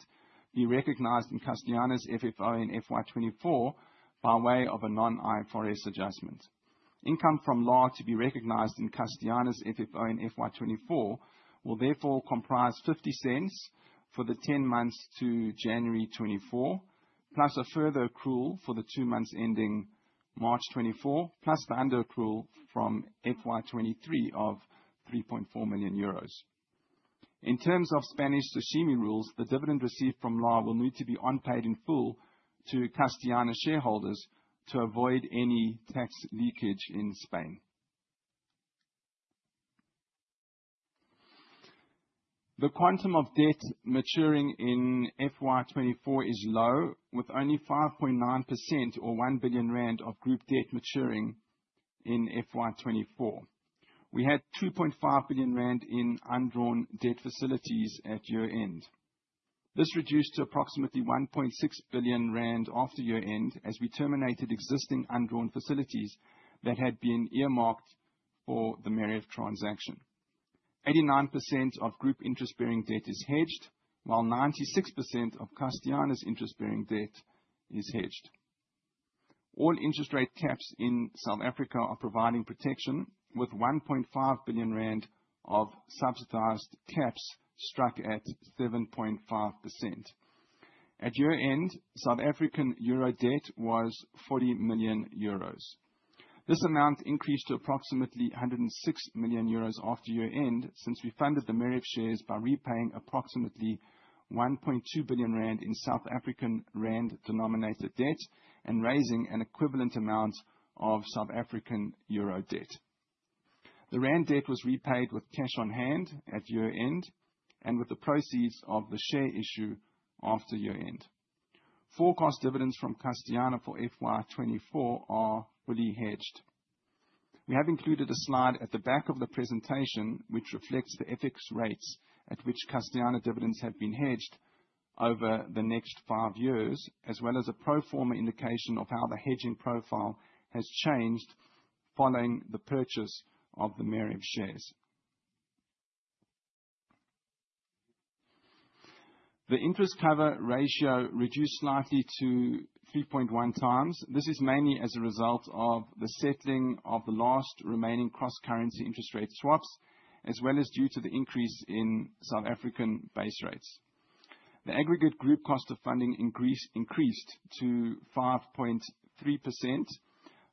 be recognized in Castellana's FFO in FY 2024 by way of a non-IFRS adjustment. Income from Lar to be recognized in Castellana's FFO in FY 2024 will therefore comprise 0.50 for the 10 months to January 2024, plus a further accrual for the 2 months ending March 2024, plus the under accrual from FY 2023 of 3.4 million euros. In terms of Spanish SOCIMI rules, the dividend received from Lar will need to be unpaid in full to Castellana shareholders to avoid any tax leakage in Spain. The quantum of debt maturing in FY 2024 is low, with only 5.9% or 1 billion rand of group debt maturing in FY 2024. We had 2.5 billion rand in undrawn debt facilities at year-end. This reduced to approximately 1.6 billion rand after year-end as we terminated existing undrawn facilities that had been earmarked for the Meriv transaction. 89% of group interest-bearing debt is hedged, while 96% of Castellana's interest-bearing debt is hedged. All interest rate caps in South Africa are providing protection with 1.5 billion rand of subsidized caps struck at 7.5%. At year-end, South African euro debt was 40 million euros. This amount increased to approximately 106 million euros after year-end since we funded the Meriv shares by repaying approximately 1.2 billion rand in South African rand-denominated debt and raising an equivalent amount of South African euro debt. The rand debt was repaid with cash on hand at year-end and with the proceeds of the share issue after year-end. Forecast dividends from Castellana for FY 2024 are fully hedged. We have included a slide at the back of the presentation, which reflects the FX rates at which Castellana dividends have been hedged over the next five years, as well as a pro forma indication of how the hedging profile has changed following the purchase of the MEREV shares. The interest cover ratio reduced slightly to 3.1x. This is mainly as a result of the settling of the last remaining cross-currency interest rate swaps, as well as due to the increase in South African base rates. The aggregate group cost of funding increased to 5.3%,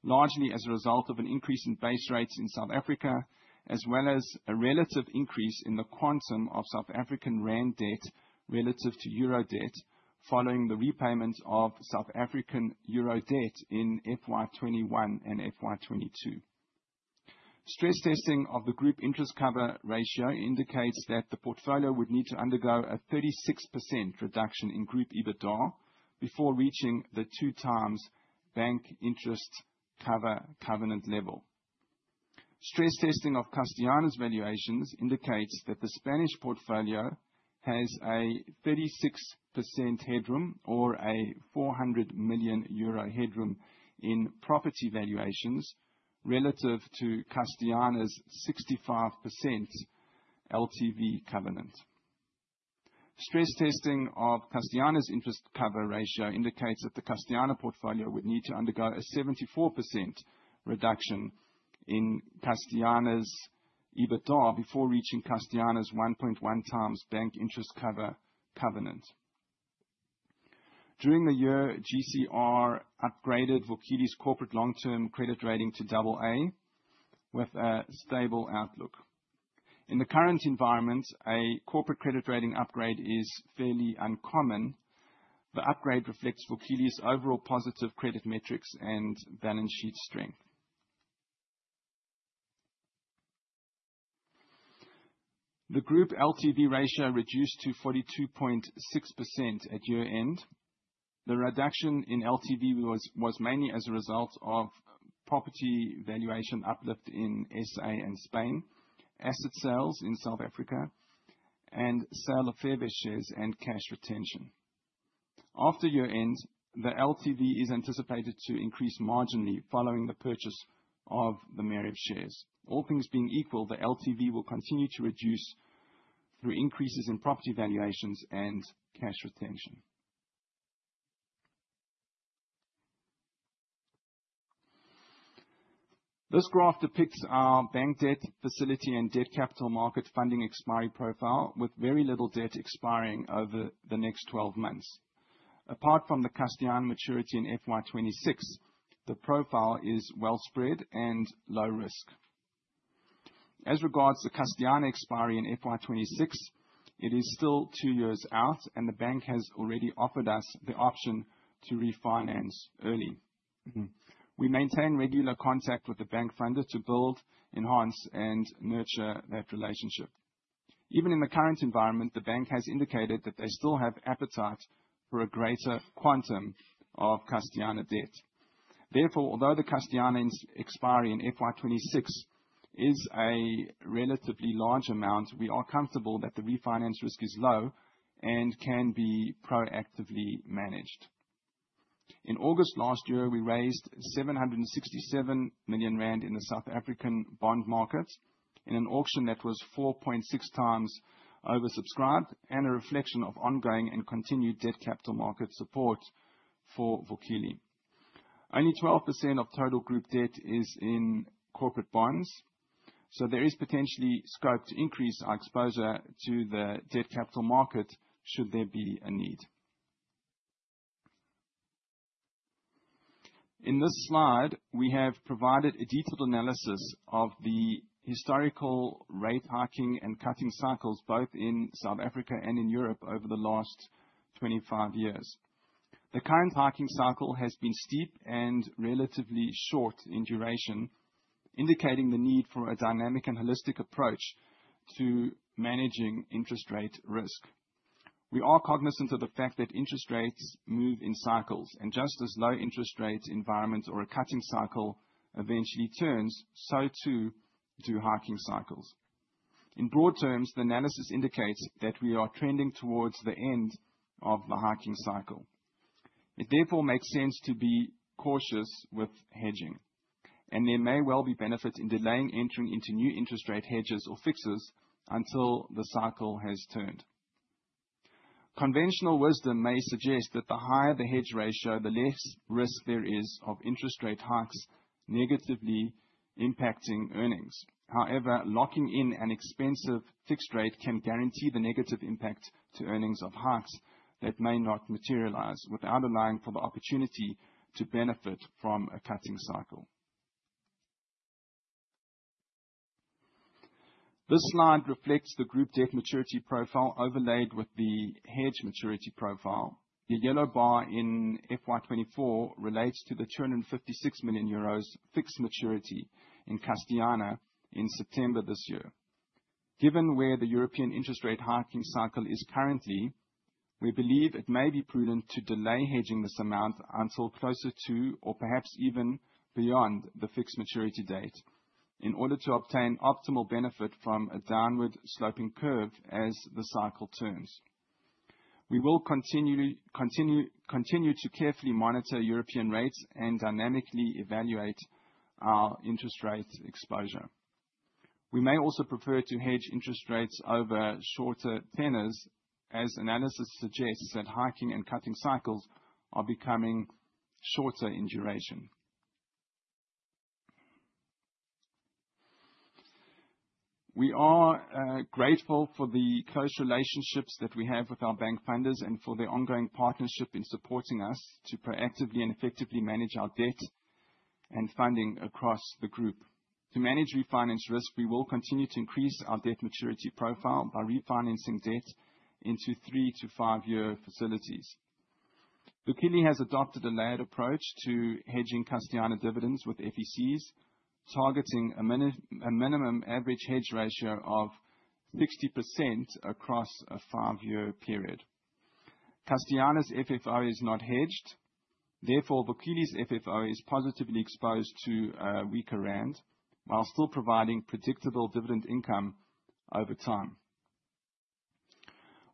largely as a result of an increase in base rates in South Africa, as well as a relative increase in the quantum of South African rand debt relative to euro debt following the repayments of South African euro debt in FY 2021 and FY 2022. Stress testing of the group interest cover ratio indicates that the portfolio would need to undergo a 36% reduction in group EBITDA before reaching the 2x bank interest cover covenant level. Stress testing of Castellana's valuations indicates that the Spanish portfolio has a 36% headroom, or a 400 million euro headroom in property valuations relative to Castellana's 65% LTV covenant. Stress testing of Castellana's interest cover ratio indicates that the Castellana portfolio would need to undergo a 74% reduction in Castellana's EBITDA before reaching Castellana's 1.1x bank interest cover covenant. During the year, GCR upgraded Vukile's corporate long-term credit rating to AA with a stable outlook. In the current environment, a corporate credit rating upgrade is fairly uncommon. The upgrade reflects Vukile's overall positive credit metrics and balance sheet strength. The group LTV ratio reduced to 42.6% at year-end. The reduction in LTV was mainly as a result of property valuation uplift in SA and Spain, asset sales in South Africa, and sale of Fairvest shares and cash retention. After year-end, the LTV is anticipated to increase marginally following the purchase of the MEREV shares. All things being equal, the LTV will continue to reduce through increases in property valuations and cash retention. This graph depicts our bank debt facility and debt capital market funding expiry profile with very little debt expiring over the next 12 months. Apart from the Castellana maturity in FY 2026, the profile is well spread and low risk. As regards to Castellana expiry in FY 2026, it is still two years out, and the bank has already offered us the option to refinance early. We maintain regular contact with the bank funder to build, enhance, and nurture that relationship. Even in the current environment, the bank has indicated that they still have appetite for a greater quantum of Castellana debt. Although the Castellana's expiry in FY 2026 is a relatively large amount, we are comfortable that the refinance risk is low and can be proactively managed. In August last year, we raised 767 million rand in the South African bond market in an auction that was 4.6x oversubscribed and a reflection of ongoing and continued debt capital market support for Vukile. Only 12% of total group debt is in corporate bonds, so there is potentially scope to increase our exposure to the debt capital market should there be a need. In this slide, we have provided a detailed analysis of the historical rate hiking and cutting cycles, both in South Africa and in Europe over the last 25 years. The current hiking cycle has been steep and relatively short in duration, indicating the need for a dynamic and holistic approach to managing interest rate risk. We are cognizant of the fact that interest rates move in cycles, and just as low interest rate environment or a cutting cycle eventually turns, so too do hiking cycles. In broad terms, the analysis indicates that we are trending towards the end of the hiking cycle. It therefore makes sense to be cautious with hedging, and there may well be benefit in delaying entering into new interest rate hedges or fixes until the cycle has turned. Conventional wisdom may suggest that the higher the hedge ratio, the less risk there is of interest rate hikes negatively impacting earnings. However, locking in an expensive fixed rate can guarantee the negative impact to earnings of hikes that may not materialize without allowing for the opportunity to benefit from a cutting cycle. This slide reflects the group debt maturity profile overlaid with the hedge maturity profile. The yellow bar in FY 2024 relates to the 256 million euros fixed maturity in Castellana in September this year. Given where the European interest rate hiking cycle is currently, we believe it may be prudent to delay hedging this amount until closer to or perhaps even beyond the fixed maturity date in order to obtain optimal benefit from a downward sloping curve as the cycle turns. We will continue to carefully monitor European rates and dynamically evaluate our interest rate exposure. We may also prefer to hedge interest rates over shorter tenors as analysis suggests that hiking and cutting cycles are becoming shorter in duration. We are grateful for the close relationships that we have with our bank funders and for their ongoing partnership in supporting us to proactively and effectively manage our debt and funding across the group. To manage refinance risk, we will continue to increase our debt maturity profile by refinancing debt into three-five year facilities. Vukile has adopted a layered approach to hedging Castellana dividends with FECs, targeting a minimum average hedge ratio of 60% across a five-year period. Castellana's FFO is not hedged, therefore, Vukile's FFO is positively exposed to a weaker rand while still providing predictable dividend income over time.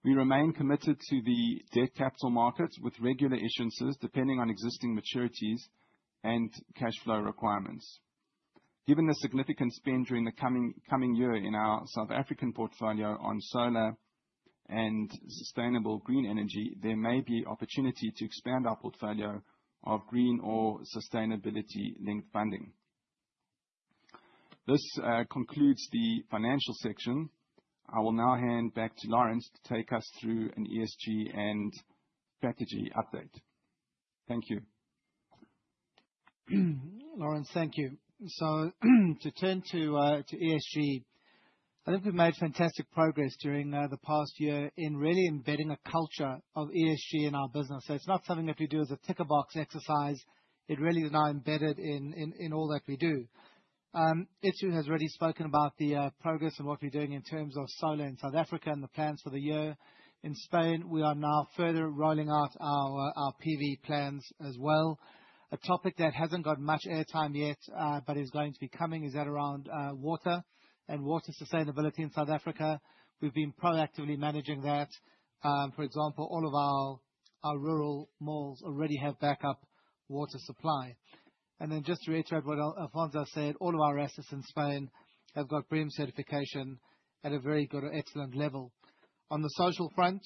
We remain committed to the debt capital markets with regular issuances, depending on existing maturities and cash flow requirements. Given the significant spend during the coming year in our South African portfolio on solar and sustainable green energy, there may be opportunity to expand our portfolio of green or sustainability-linked funding. This concludes the financial section. I will now hand back to Laurence to take us through an ESG and strategy update. Thank you. Laurence, thank you. To turn to ESG, I think we've made fantastic progress during the past year in really embedding a culture of ESG in our business. It's not something that we do as a tick-a-box exercise. It really is now embedded in all that we do. Esau has already spoken about the progress of what we're doing in terms of solar in South Africa and the plans for the year. In Spain, we are now further rolling out our PV plans as well. A topic that hasn't got much airtime yet, but is going to be coming is that around water and water sustainability in South Africa. We've been proactively managing that. For example, all of our rural malls already have backup water supply. Just to reiterate what Alfonso said, all of our assets in Spain have got BREEAM certification at a very good or excellent level. On the social front,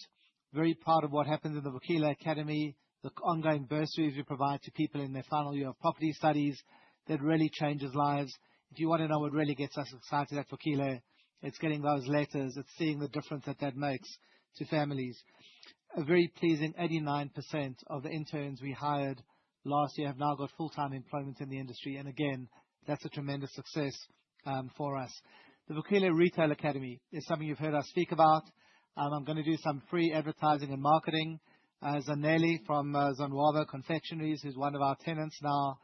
very proud of what happened in the Vukile Academy, the ongoing bursaries we provide to people in their final year of property studies. That really changes lives. If you want to know what really gets us excited at Vukile, it's getting those letters. It's seeing the difference that makes to families. A very pleasing 89% of the interns we hired last year have now got full-time employment in the industry. Again, that's a tremendous success for us. The Vukile Retail Academy is something you've heard us speak about. I'm going to do some free advertising and marketing. Zanele from Zanele Confectioneries, who's one of our tenants now,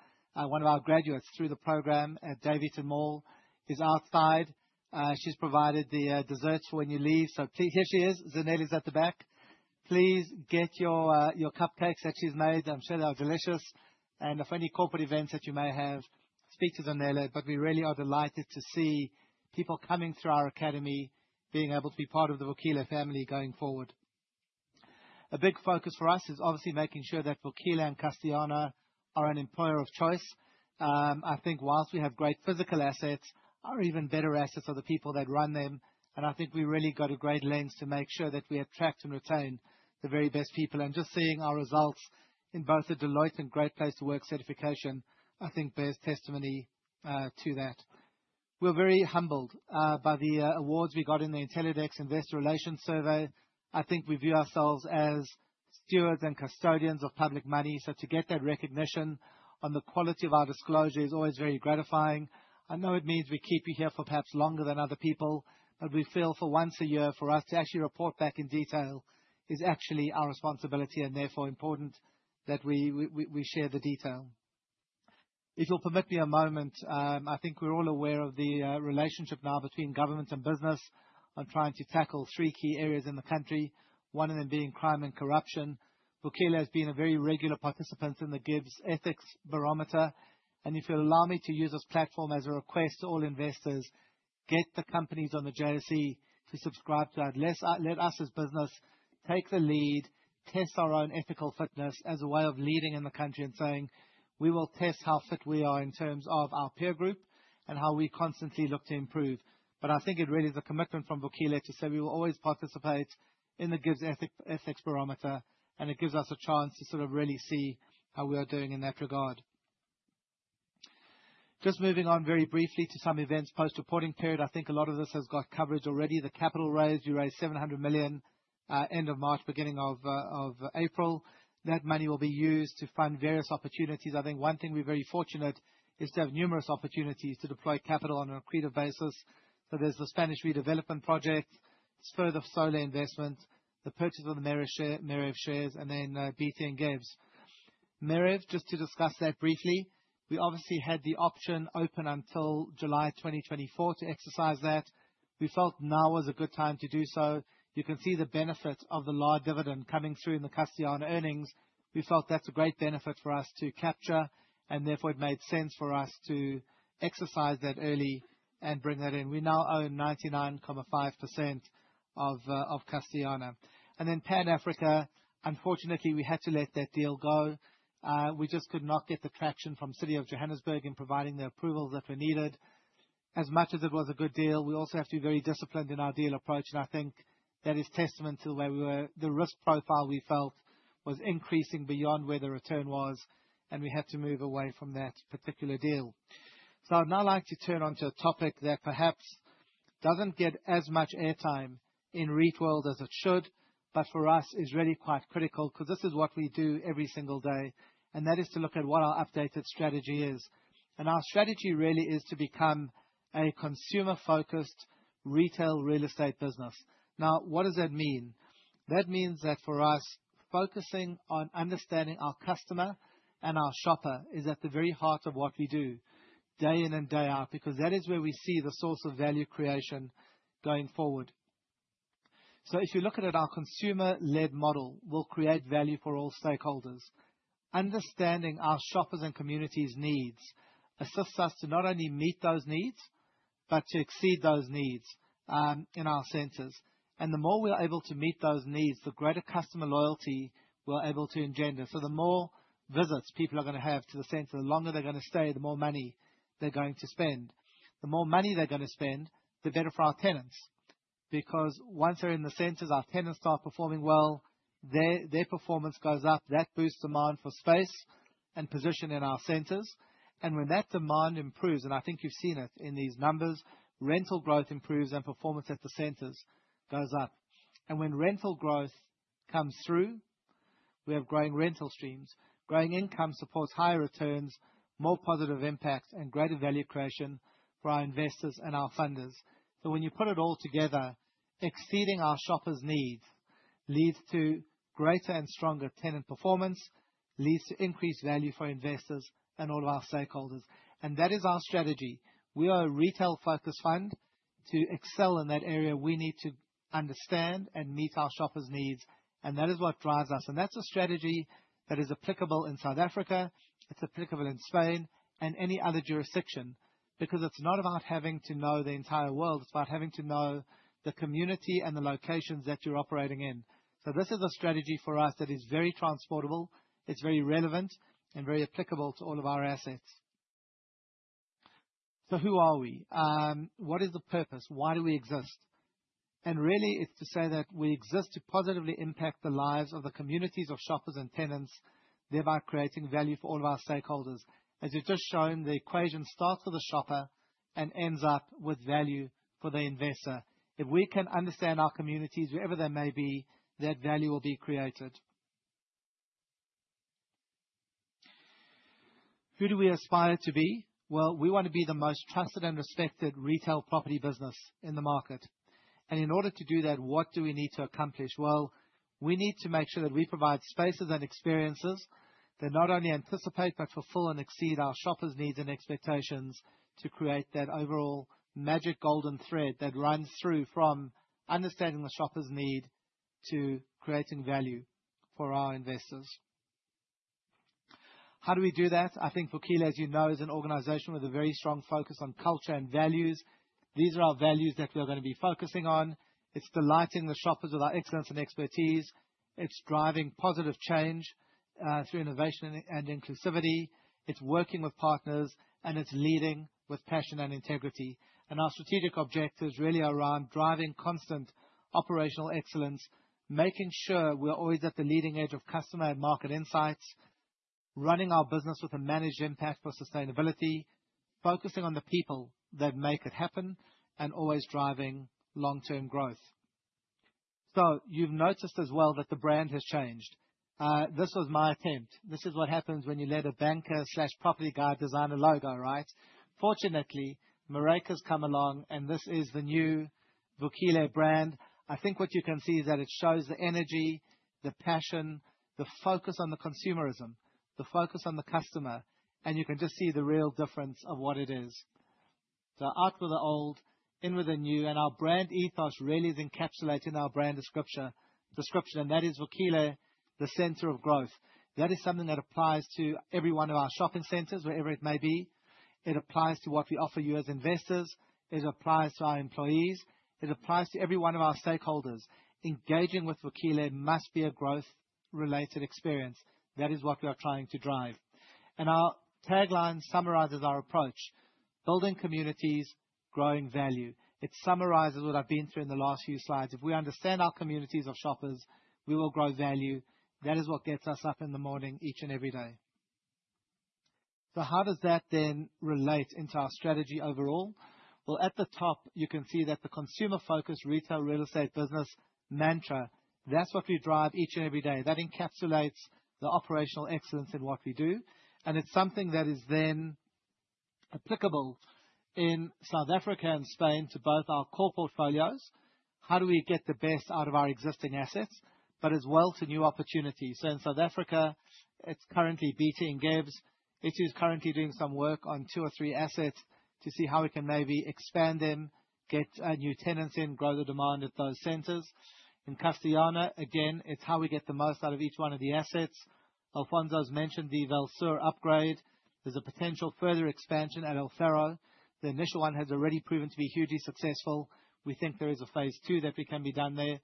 one of our graduates through the program at Daveyton Mall, is outside. She's provided the desserts for when you leave. Please. Here she is. Zanele is at the back. Please get your cupcakes that she's made. I'm sure they are delicious. For any corporate events that you may have, speak to Zanele. We really are delighted to see people coming through our academy being able to be part of the Vukile family going forward. A big focus for us is obviously making sure that Vukile and Castellana are an employer of choice. I think whilst we have great physical assets, our even better assets are the people that run them, and I think we really got a great lens to make sure that we attract and retain the very best people. Just seeing our results in both the Deloitte and Great Place to Work certification, I think bears testimony to that. We're very humbled by the awards we got in the Intellidex Investor Relations Survey. I think we view ourselves as stewards and custodians of public money. To get that recognition on the quality of our disclosure is always very gratifying. I know it means we keep you here for perhaps longer than other people, but we feel for once a year, for us to actually report back in detail is actually our responsibility and therefore important that we share the detail. If you'll permit me a moment, I think we're all aware of the relationship now between government and business on trying to tackle three key areas in the country, one of them being crime and corruption. Vukile has been a very regular participant in the GIBS Ethics Barometer. If you'll allow me to use this platform as a request to all investors, get the companies on the JSE to subscribe to that. Let us as business take the lead, test our own ethical fitness as a way of leading in the country and saying, "We will test how fit we are in terms of our peer group and how we constantly look to improve." I think it really is a commitment from Vukile to say we will always participate in the GIBS Ethics Barometer, and it gives us a chance to sort of really see how we are doing in that regard. Just moving on very briefly to some events post-reporting period. I think a lot of this has got coverage already. The capital raise, we raised 700 million end of March, beginning of April. That money will be used to fund various opportunities. I think one thing we're very fortunate is to have numerous opportunities to deploy capital on an accretive basis. There's the Spanish redevelopment project, this further solar investment, the purchase of the Lar España share, Lar España shares, and then BT Ngebs City. Lar España, just to discuss that briefly, we obviously had the option open until July 2024 to exercise that. We felt now was a good time to do so. You can see the benefits of the large dividend coming through in the Castellana earnings. We felt that's a great benefit for us to capture, and therefore it made sense for us to exercise that early and bring that in. We now own 99.5% of Castellana. Pan Africa, unfortunately, we had to let that deal go. We just could not get the traction from City of Johannesburg in providing the approvals that were needed. As much as it was a good deal, we also have to be very disciplined in our deal approach, and I think that is testament to where we were. The risk profile we felt was increasing beyond where the return was, and we had to move away from that particular deal. I'd now like to turn onto a topic that perhaps doesn't get as much airtime in REIT world as it should, but for us is really quite critical because this is what we do every single day, and that is to look at what our updated strategy is. Our strategy really is to become a consumer-focused retail real estate business. Now, what does that mean? That means that for us, focusing on understanding our customer and our shopper is at the very heart of what we do day in and day out, because that is where we see the source of value creation going forward. If you look at it, our consumer-led model will create value for all stakeholders. Understanding our shoppers' and communities' needs assists us to not only meet those needs, but to exceed those needs in our centers. The more we are able to meet those needs, the greater customer loyalty we're able to engender. The more visits people are gonna have to the center, the longer they're gonna stay, the more money they're going to spend. The more money they're gonna spend, the better for our tenants, because once they're in the centers, our tenants start performing well. Their performance goes up. That boosts demand for space and position in our centers. When that demand improves, and I think you've seen it in these numbers, rental growth improves and performance at the centers goes up. When rental growth comes through, we have growing rental streams. Growing income supports higher returns, more positive impacts, and greater value creation for our investors and our funders. When you put it all together, exceeding our shoppers' needs leads to greater and stronger tenant performance, leads to increased value for investors and all of our stakeholders. That is our strategy. We are a retail-focused fund. To excel in that area, we need to understand and meet our shoppers' needs, and that is what drives us. That's a strategy that is applicable in South Africa, it's applicable in Spain and any other jurisdiction, because it's not about having to know the entire world, it's about having to know the community and the locations that you're operating in. This is a strategy for us that is very transportable, it's very relevant, and very applicable to all of our assets. Who are we? What is the purpose? Why do we exist? Really it's to say that we exist to positively impact the lives of the communities of shoppers and tenants, thereby creating value for all of our stakeholders. As we've just shown, the equation starts with the shopper and ends up with value for the investor. If we can understand our communities, wherever they may be, that value will be created. Who do we aspire to be? Well, we want to be the most trusted and respected retail property business in the market. In order to do that, what do we need to accomplish? Well, we need to make sure that we provide spaces and experiences that not only anticipate, but fulfill and exceed our shoppers' needs and expectations to create that overall magic golden thread that runs through from understanding the shoppers' need to creating value for our investors. How do we do that? I think Vukile, as you know, is an organization with a very strong focus on culture and values. These are our values that we are going to be focusing on. It's delighting the shoppers with our excellence and expertise. It's driving positive change through innovation and inclusivity. It's working with partners, it's leading with passion and integrity. Our strategic objectives really are around driving constant operational excellence, making sure we're always at the leading edge of customer and market insights, running our business with a managed impact for sustainability, focusing on the people that make it happen, and always driving long-term growth. You've noticed as well that the brand has changed. This was my attempt. This is what happens when you let a banker/property guy design a logo, right? Fortunately, Mareike has come along and this is the new Vukile brand. I think what you can see is that it shows the energy, the passion, the focus on the consumerism, the focus on the customer, and you can just see the real difference of what it is. Out with the old, in with the new, and our brand ethos really is encapsulated in our brand description, and that is Vukile, the center of growth. That is something that applies to every one of our shopping centers, wherever it may be. It applies to what we offer you as investors. It applies to our employees. It applies to every one of our stakeholders. Engaging with Vukile must be a growth-related experience. That is what we are trying to drive. Our tagline summarizes our approach: Building communities, growing value. It summarizes what I've been through in the last few slides. If we understand our communities of shoppers, we will grow value. That is what gets us up in the morning, each and every day. How does that then relate into our strategy overall? Well, at the top you can see that the consumer focused retail real estate business mantra, that's what we drive each and every day. That encapsulates the operational excellence in what we do, and it's something that is then applicable in South Africa and Spain to both our core portfolios. How do we get the best out of our existing assets, but as well to new opportunities. In South Africa, it's currently BT and GIBS. It is currently doing some work on two or three assets to see how we can maybe expand them, get new tenants in, grow the demand at those centers. In Castellana, again, it's how we get the most out of each one of the assets. Alfonso's mentioned the Vallsur upgrade. There's a potential further expansion at El Faro. The initial one has already proven to be hugely successful. We think there is a phase two that we can be done there.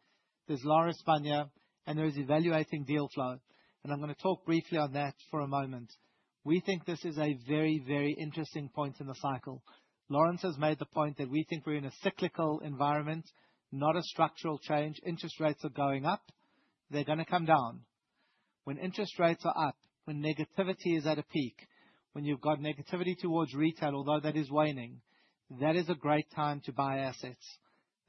There's Lar España and there is evaluating deal flow, and I'm gonna talk briefly on that for a moment. We think this is a very, very interesting point in the cycle. Laurence has made the point that we think we're in a cyclical environment, not a structural change. Interest rates are going up. They're gonna come down. When interest rates are up, when negativity is at a peak, when you've got negativity towards retail, although that is waning, that is a great time to buy assets.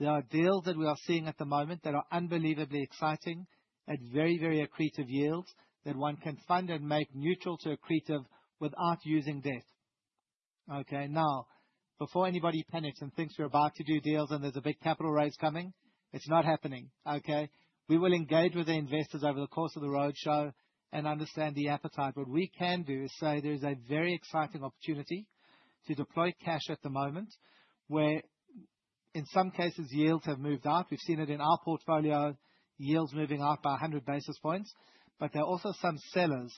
There are deals that we are seeing at the moment that are unbelievably exciting at very, very accretive yields that one can fund and make neutral to accretive without using debt. Okay. Now, before anybody panics and thinks we're about to do deals and there's a big capital raise coming, it's not happening. Okay? We will engage with the investors over the course of the roadshow and understand the appetite. What we can do is say there is a very exciting opportunity to deploy cash at the moment where in some cases, yields have moved up. We've seen it in our portfolio, yields moving up by 100 basis points. There are also some sellers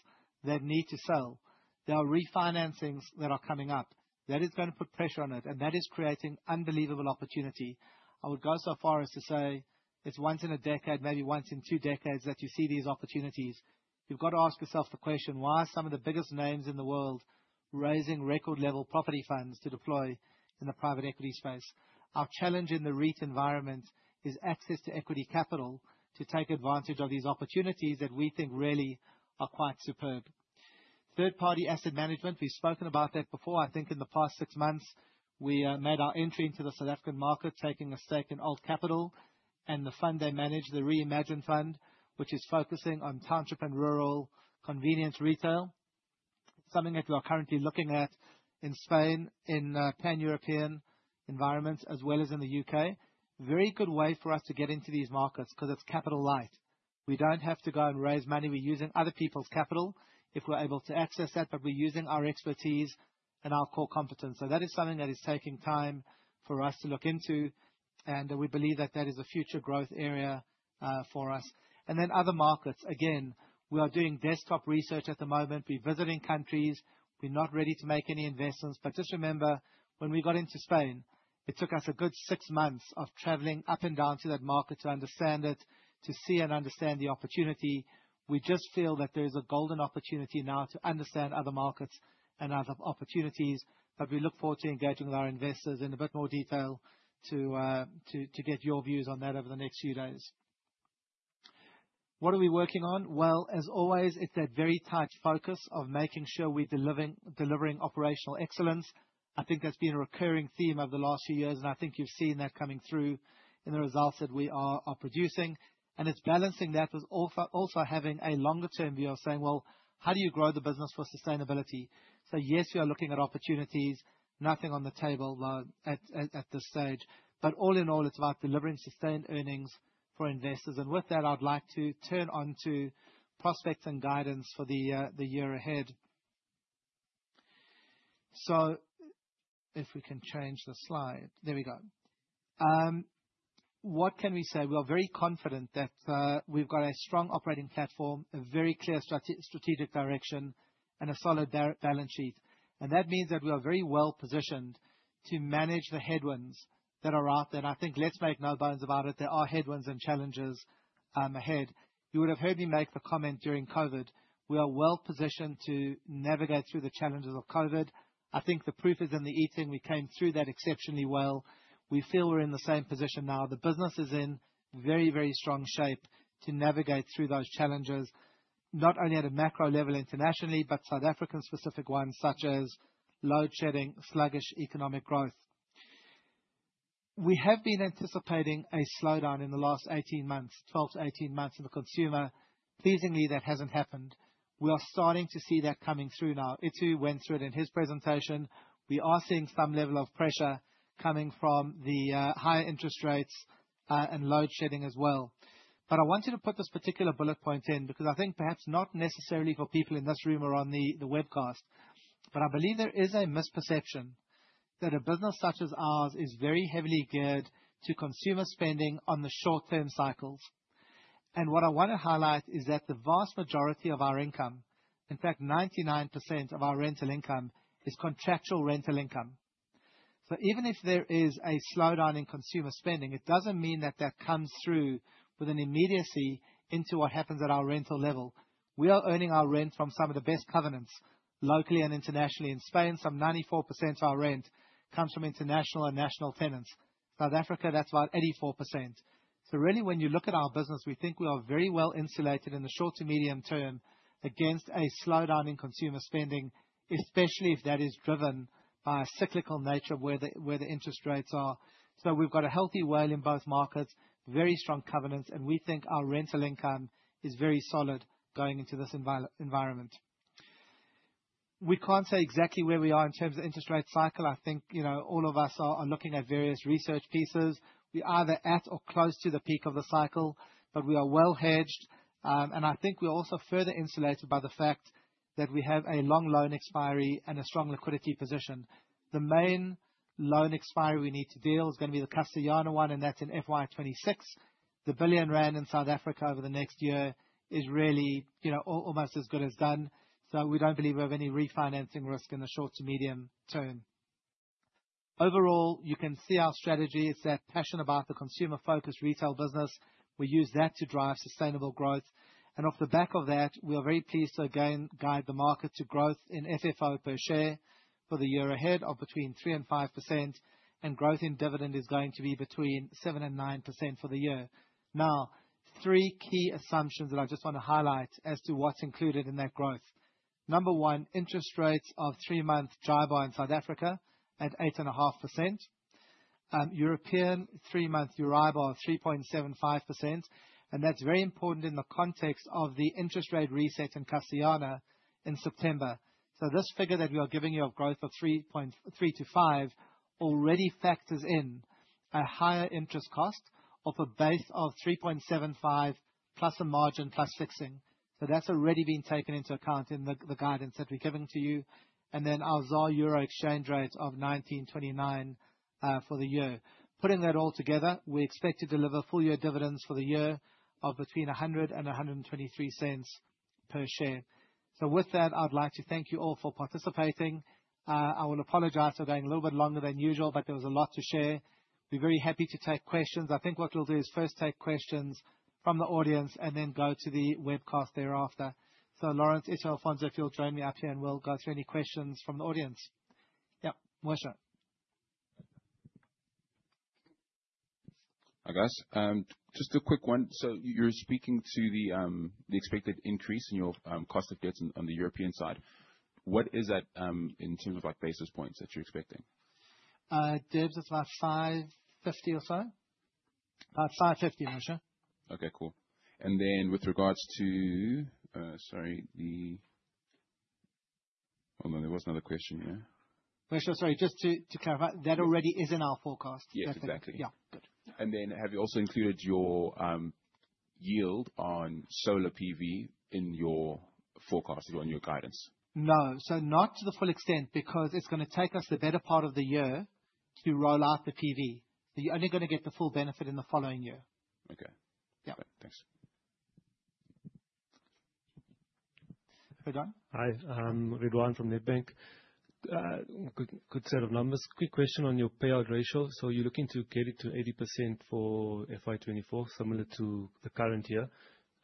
that need to sell. There are refinancings that are coming up. That is gonna put pressure on it, and that is creating unbelievable opportunity. I would go so far as to say it's once in a decade, maybe once in two decades, that you see these opportunities. You've got to ask yourself the question, why are some of the biggest names in the world raising record level property funds to deploy in the private equity space? Our challenge in the REIT environment is access to equity capital to take advantage of these opportunities that we think really are quite superb. Third-party asset management, we've spoken about that before. I think in the past six months, we made our entry into the South African market, taking a stake in ALT Capital and the fund they manage, the REimagine Fund, which is focusing on township and rural convenience retail. Something that we are currently looking at in Spain, in Pan-European environments, as well as in the U.K. Very good way for us to get into these markets because it's capital light. We don't have to go and raise money. We're using other people's capital if we're able to access that, but we're using our expertise and our core competence. That is something that is taking time for us to look into, and we believe that that is a future growth area for us. Other markets, again, we are doing desktop research at the moment. We're visiting countries. We're not ready to make any investments. Just remember, when we got into Spain, it took us a good six months of traveling up and down to that market to understand it, to see and understand the opportunity. We just feel that there is a golden opportunity now to understand other markets and other opportunities, We look forward to engaging with our investors in a bit more detail to get your views on that over the next few days. What are we working on? Well, as always, it's that very tight focus of making sure we're delivering operational excellence. I think that's been a recurring theme over the last few years, and I think you've seen that coming through in the results that we are producing. It's balancing that with also having a longer-term view of saying, "Well, how do you grow the business for sustainability?" Yes, we are looking at opportunities. Nothing on the table at this stage. All in all, it's about delivering sustained earnings for investors. With that, I'd like to turn on to prospects and guidance for the year ahead. If we can change the slide. There we go. What can we say? We are very confident that we've got a strong operating platform, a very clear strategic direction, and a solid balance sheet. We are very well-positioned to manage the headwinds that are out there. Let's make no bones about it, there are headwinds and challenges ahead. You would have heard me make the comment during COVID, we are well-positioned to navigate through the challenges of COVID. I think the proof is in the eating. We came through that exceptionally well. We feel we're in the same position now. The business is in very, very strong shape to navigate through those challenges, not only at a macro level internationally, but South African specific ones such as load shedding, sluggish economic growth. We have been anticipating a slowdown in the last 18 months, 12-18 months in the consumer. Pleasingly, that hasn't happened. We are starting to see that coming through now. Itu went through it in his presentation. We are seeing some level of pressure coming from the higher interest rates and load shedding as well. I want you to put this particular bullet point in because I think perhaps not necessarily for people in this room or on the webcast, but I believe there is a misperception that a business such as ours is very heavily geared to consumer spending on the short-term cycles. What I wanna highlight is that the vast majority of our income, in fact, 99% of our rental income, is contractual rental income. Even if there is a slowdown in consumer spending, it doesn't mean that that comes through with an immediacy into what happens at our rental level. We are earning our rent from some of the best covenants locally and internationally. In Spain, some 94% of our rent comes from international and national tenants. South Africa, that's about 84%. Really, when you look at our business, we think we are very well insulated in the short to medium term against a slowdown in consumer spending, especially if that is driven by a cyclical nature of where the interest rates are. We've got a healthy WALE in both markets, very strong covenants, and we think our rental income is very solid going into this environment. We can't say exactly where we are in terms of interest rate cycle. I think, you know, all of us are looking at various research pieces. We're either at or close to the peak of the cycle, but we are well hedged. I think we're also further insulated by the fact that we have a long loan expiry and a strong liquidity position. The main loan expiry we need to deal is gonna be the Castellana one, and that's in FY 2026. The 1 billion rand in South Africa over the next year is really, you know, almost as good as done. We don't believe we have any refinancing risk in the short to medium term. Overall, you can see our strategy is that passion about the consumer-focused retail business. We use that to drive sustainable growth. Off the back of that, we are very pleased to again guide the market to growth in FFO per share for the year ahead of between 3%-5%, and growth in dividend is going to be between 7%-9% for the year. Three key assumptions that I just wanna highlight as to what's included in that growth. Number one, interest rates of three-month JIBAR in South Africa at 8.5%. European three-month EURIBOR of 3.75%, that's very important in the context of the interest rate reset in Castellana in September. This figure that we are giving you of growth of 3%-5% already factors in a higher interest cost off a base of 3.75%, plus a margin, plus fixing. That's already been taken into account in the guidance that we're giving to you. Our ZAR/EUR exchange rate of 19.29 for the year. Putting that all together, we expect to deliver full year dividends for the year of between 1.00 and 1.23 per share. With that, I'd like to thank you all for participating. I will apologize for going a little bit longer than usual, but there was a lot to share. Be very happy to take questions. I think what we'll do is first take questions from the audience and then go to the webcast thereafter. Laurence and Alfonso, if you'll join me up here and we'll go through any questions from the audience. Yeah, Moshe. Hi, guys. Just a quick one. You're speaking to the expected increase in your cost of goods on the European side. What is that, in terms of, like, basis points that you're expecting? Dibs is about 5.50 or so. About 5.50, Moshe. Okay, cool. With regards to... Sorry. Hold on. There was another question here. Moshe, sorry, just to clarify, that already is in our forecast. Yes, exactly. Yeah. Good. Have you also included your yield on solar PV in your forecast or in your guidance? No. Not to the full extent, because it's gonna take us the better part of the year to roll out the PV. You're only gonna get the full benefit in the following year. Okay. Yeah. Cool. Thanks. Ridaan. Hi. Ridaan from Nedbank. Good set of numbers. Quick question on your payout ratio. You're looking to get it to 80% for FY 2024, similar to the current year.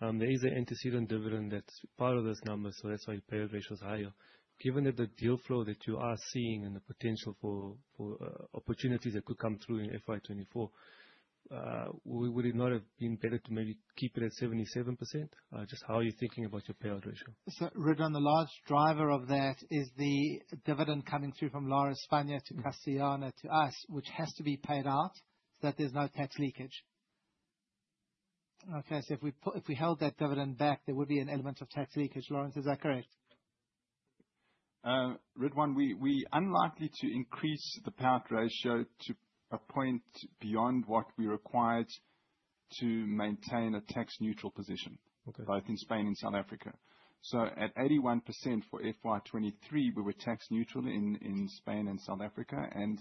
There is an antecedent dividend that's part of those numbers, so that's why your payout ratio is higher. Given that the deal flow that you are seeing and the potential for opportunities that could come through in FY 2024, would it not have been better to maybe keep it at 77%? Just how are you thinking about your payout ratio? Ridaan, the large driver of that is the dividend coming through from Lar España to Castellana to us, which has to be paid out so that there's no tax leakage. Okay. If we held that dividend back, there would be an element of tax leakage. Laurence, is that correct? Ridaan, we unlikely to increase the payout ratio to a point beyond what we required to maintain a tax-neutral position. Okay. both in Spain and South Africa. At 81% for FY 2023, we were tax neutral in Spain and South Africa, and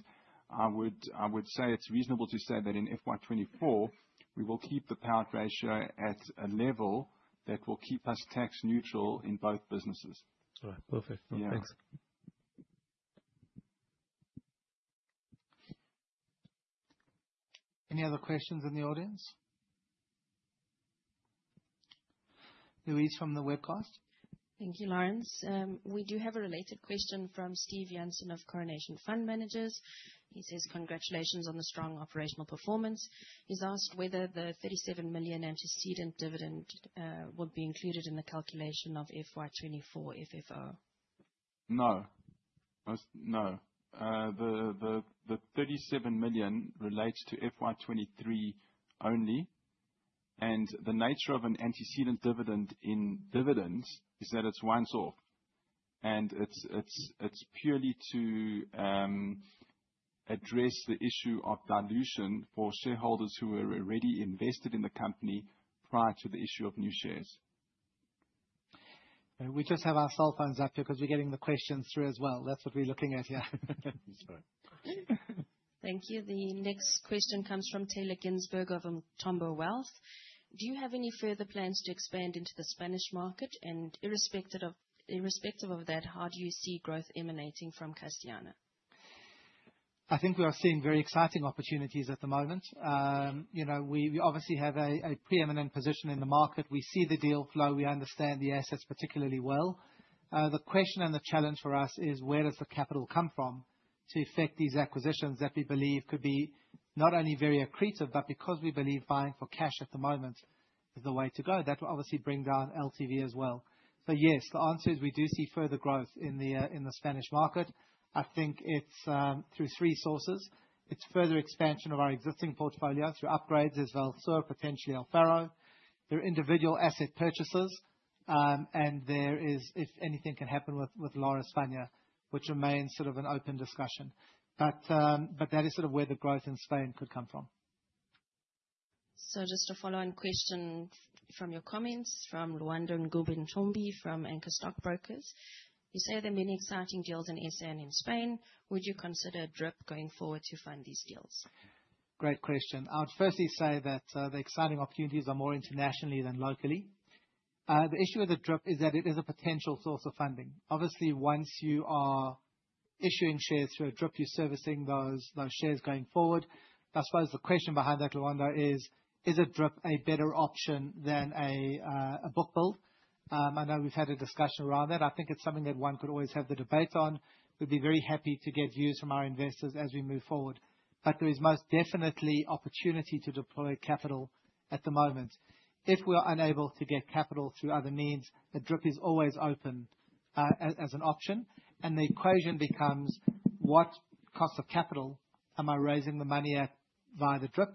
I would say it's reasonable to say that in FY 2024, we will keep the payout ratio at a level that will keep us tax neutral in both businesses. All right. Perfect. Yeah. Thanks. Any other questions in the audience? Louise from the webcast. Thank you, Laurence. We do have a related question from Steve Jansen of Coronation Fund Managers. He says, "Congratulations on the strong operational performance." He's asked whether the 37 million antecedent dividend would be included in the calculation of FY 2024 FFO. No. No. The 37 million relates to FY 2023 only. The nature of an antecedent dividend in dividends is that it's once off. It's purely to address the issue of dilution for shareholders who were already invested in the company prior to the issue of new shares. We just have our cell phones up here 'cause we're getting the questions through as well. That's what we're looking at here. Sorry. Thank you. The next question comes from Tayla Ginsberg of Umthombo Wealth. Do you have any further plans to expand into the Spanish market? Irrespective of that, how do you see growth emanating from Castellana? I think we are seeing very exciting opportunities at the moment. You know, we obviously have a preeminent position in the market. We see the deal flow, we understand the assets particularly well. The question and the challenge for us is: Where does the capital come from to effect these acquisitions that we believe could be not only very accretive, but because we believe buying for cash at the moment is the way to go. That will obviously bring down LTV as well. Yes, the answer is we do see further growth in the Spanish market. I think it's through three sources. It's further expansion of our existing portfolio through upgrades, as well as serve potentially El Faro through individual asset purchases. There is, if anything can happen with Lar España, which remains sort of an open discussion. But that is sort of where the growth in Spain could come from. Just a follow-on question from your comments from Luando Ngubeni-Mtombeni from Anchor Stockbrokers. You say there are many exciting deals in SA and in Spain. Would you consider DRIP going forward to fund these deals? Great question. I would firstly say that the exciting opportunities are more internationally than locally. The issue with the DRIP is that it is a potential source of funding. Obviously, once you are issuing shares through a DRIP, you're servicing those shares going forward. I suppose the question behind that, Luando, is a DRIP a better option than a book build? I know we've had a discussion around that. I think it's something that one could always have the debate on. We'd be very happy to get views from our investors as we move forward. There is most definitely opportunity to deploy capital at the moment. If we are unable to get capital through other means, a DRIP is always open, as an option, and the equation becomes what cost of capital am I raising the money at via the DRIP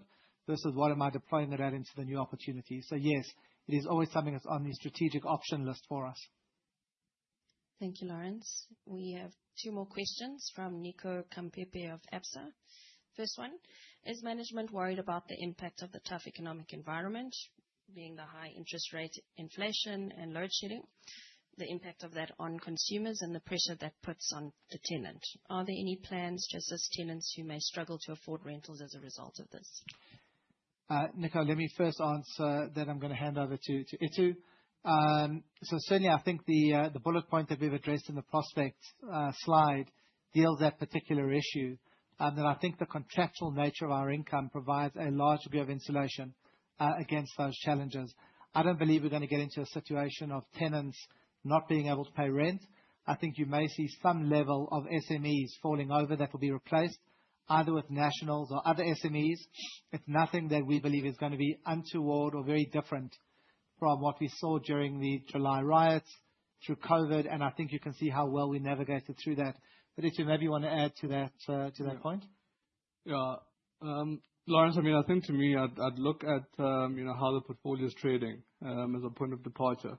versus what am I deploying the rand into the new opportunity? Yes, it is always something that's on the strategic option list for us. Thank you, Laurence. We have two more questions from Nico Campepe of Absa. First one, is management worried about the impact of the tough economic environment, being the high interest rate, inflation and load shedding, the impact of that on consumers and the pressure that puts on the tenant? Are there any plans to assist tenants who may struggle to afford rentals as a result of this? Nico, let me first answer, then I'm gonna hand over to Itumeleng. Certainly I think the bullet point that we've addressed in the prospect slide deals that particular issue, that I think the contractual nature of our income provides a large degree of insulation against those challenges. I don't believe we're gonna get into a situation of tenants not being able to pay rent. I think you may see some level of SMEs falling over that will be replaced either with nationals or other SMEs. It's nothing that we believe is gonna be untoward or very different from what we saw during the July riots, through COVID, and I think you can see how well we navigated through that. Itumeleng, maybe you wanna add to that to that point. Yeah. Laurence, I mean, I think to me, I'd look at, you know, how the portfolio is trading as a point of departure.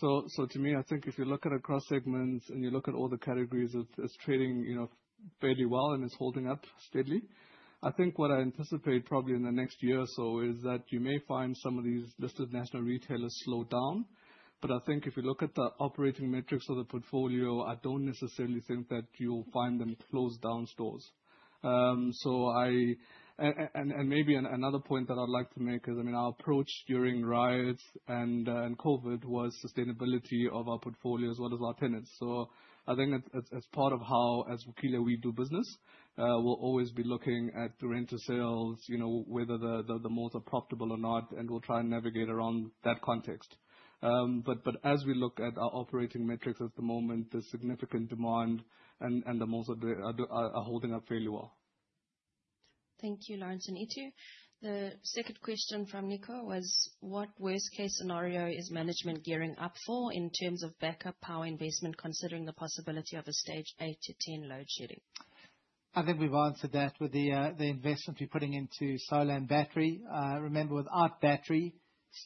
To me, I think if you look at it across segments and you look at all the categories, it's trading, you know, fairly well and it's holding up steadily. I think what I anticipate probably in the next year or so is that you may find some of these listed national retailers slow down. I think if you look at the operating metrics of the portfolio, I don't necessarily think that you'll find them close down stores. And maybe another point that I'd like to make is, I mean, our approach during riots and and COVID was sustainability of our portfolio as well as our tenants. I think that's part of how, as Vukile, we do business. We'll always be looking at the rental sales, you know, whether the malls are profitable or not, and we'll try and navigate around that context. As we look at our operating metrics at the moment, there's significant demand and the malls are holding up fairly well. Thank you, Laurence and Itu. The second question from Nico was, what worst case scenario is management gearing up for in terms of backup power investment, considering the possibility of a stage 8-10 load shedding? I think we've answered that with the investment we're putting into solar and battery. Remember, without battery,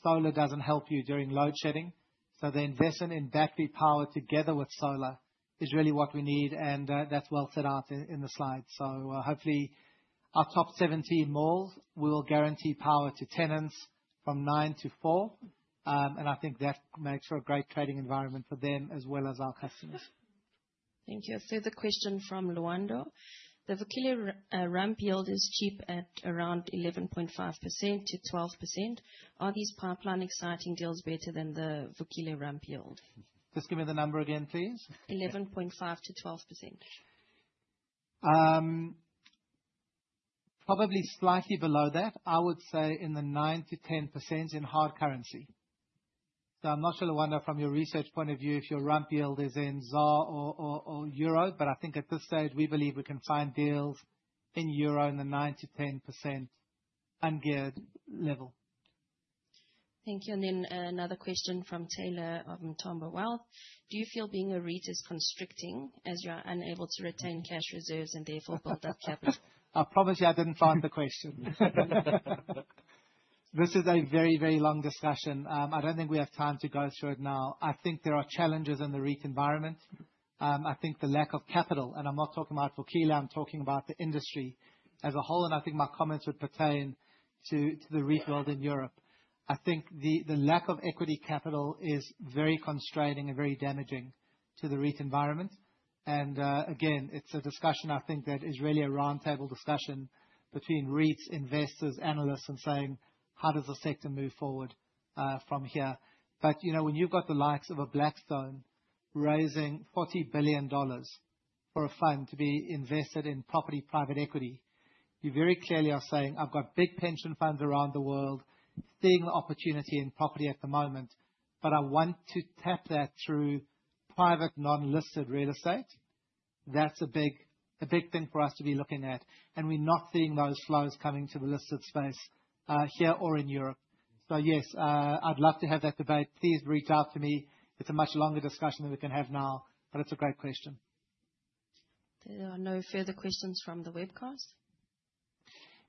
solar doesn't help you during load shedding. The investment in battery power together with solar is really what we need and that's well set out in the slide. Hopefully our top 17 malls will guarantee power to tenants from 9:00 A.M. to 4:00 P.M., and I think that makes for a great trading environment for them as well as our customers. Thank you. A further question from Luando. The Vukile ramp yield is cheap at around 11.5%-12%. Are these pipeline exciting deals better than the Vukile ramp yield? Just give me the number again, please. Eleven point five to twelve percent. Probably slightly below that. I would say in the 9%-10% in hard currency. I'm not sure, Luando, from your research point of view if your ramp yield is in ZAR or euro, I think at this stage we believe we can find deals in euro in the 9%-10% ungeared level. Thank you. Another question from Tayla of Umthombo Wealth. Do you feel being a REIT is constricting as you are unable to retain cash reserves and therefore build up capital? I promise you I didn't plant the question. This is a very, very long discussion. I don't think we have time to go through it now. I think there are challenges in the REIT environment. I think the lack of capital, and I'm not talking about Vukile, I'm talking about the industry as a whole, and I think my comments would pertain to the REIT world in Europe. I think the lack of equity capital is very constraining and very damaging to the REIT environment. Again, it's a discussion, I think, that is really a roundtable discussion between REITs, investors, analysts and saying, "How does the sector move forward from here?" You know, when you've got the likes of a Blackstone raising $40 billion for a fund to be invested in property private equity, you very clearly are saying, "I've got big pension funds around the world seeing opportunity in property at the moment, but I want to tap that through private non-listed real estate." That's a big thing for us to be looking at, and we're not seeing those flows coming to the listed space here or in Europe. Yes, I'd love to have that debate. Please reach out to me. It's a much longer discussion than we can have now, but it's a great question. There are no further questions from the webcast.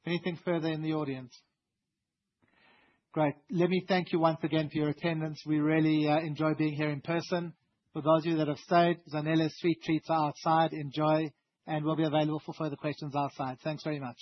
Anything further in the audience? Great. Let me thank you once again for your attendance. We really enjoy being here in person. For those of you that have stayed, Zanele's sweet treats are outside. Enjoy. We'll be available for further questions outside. Thanks very much.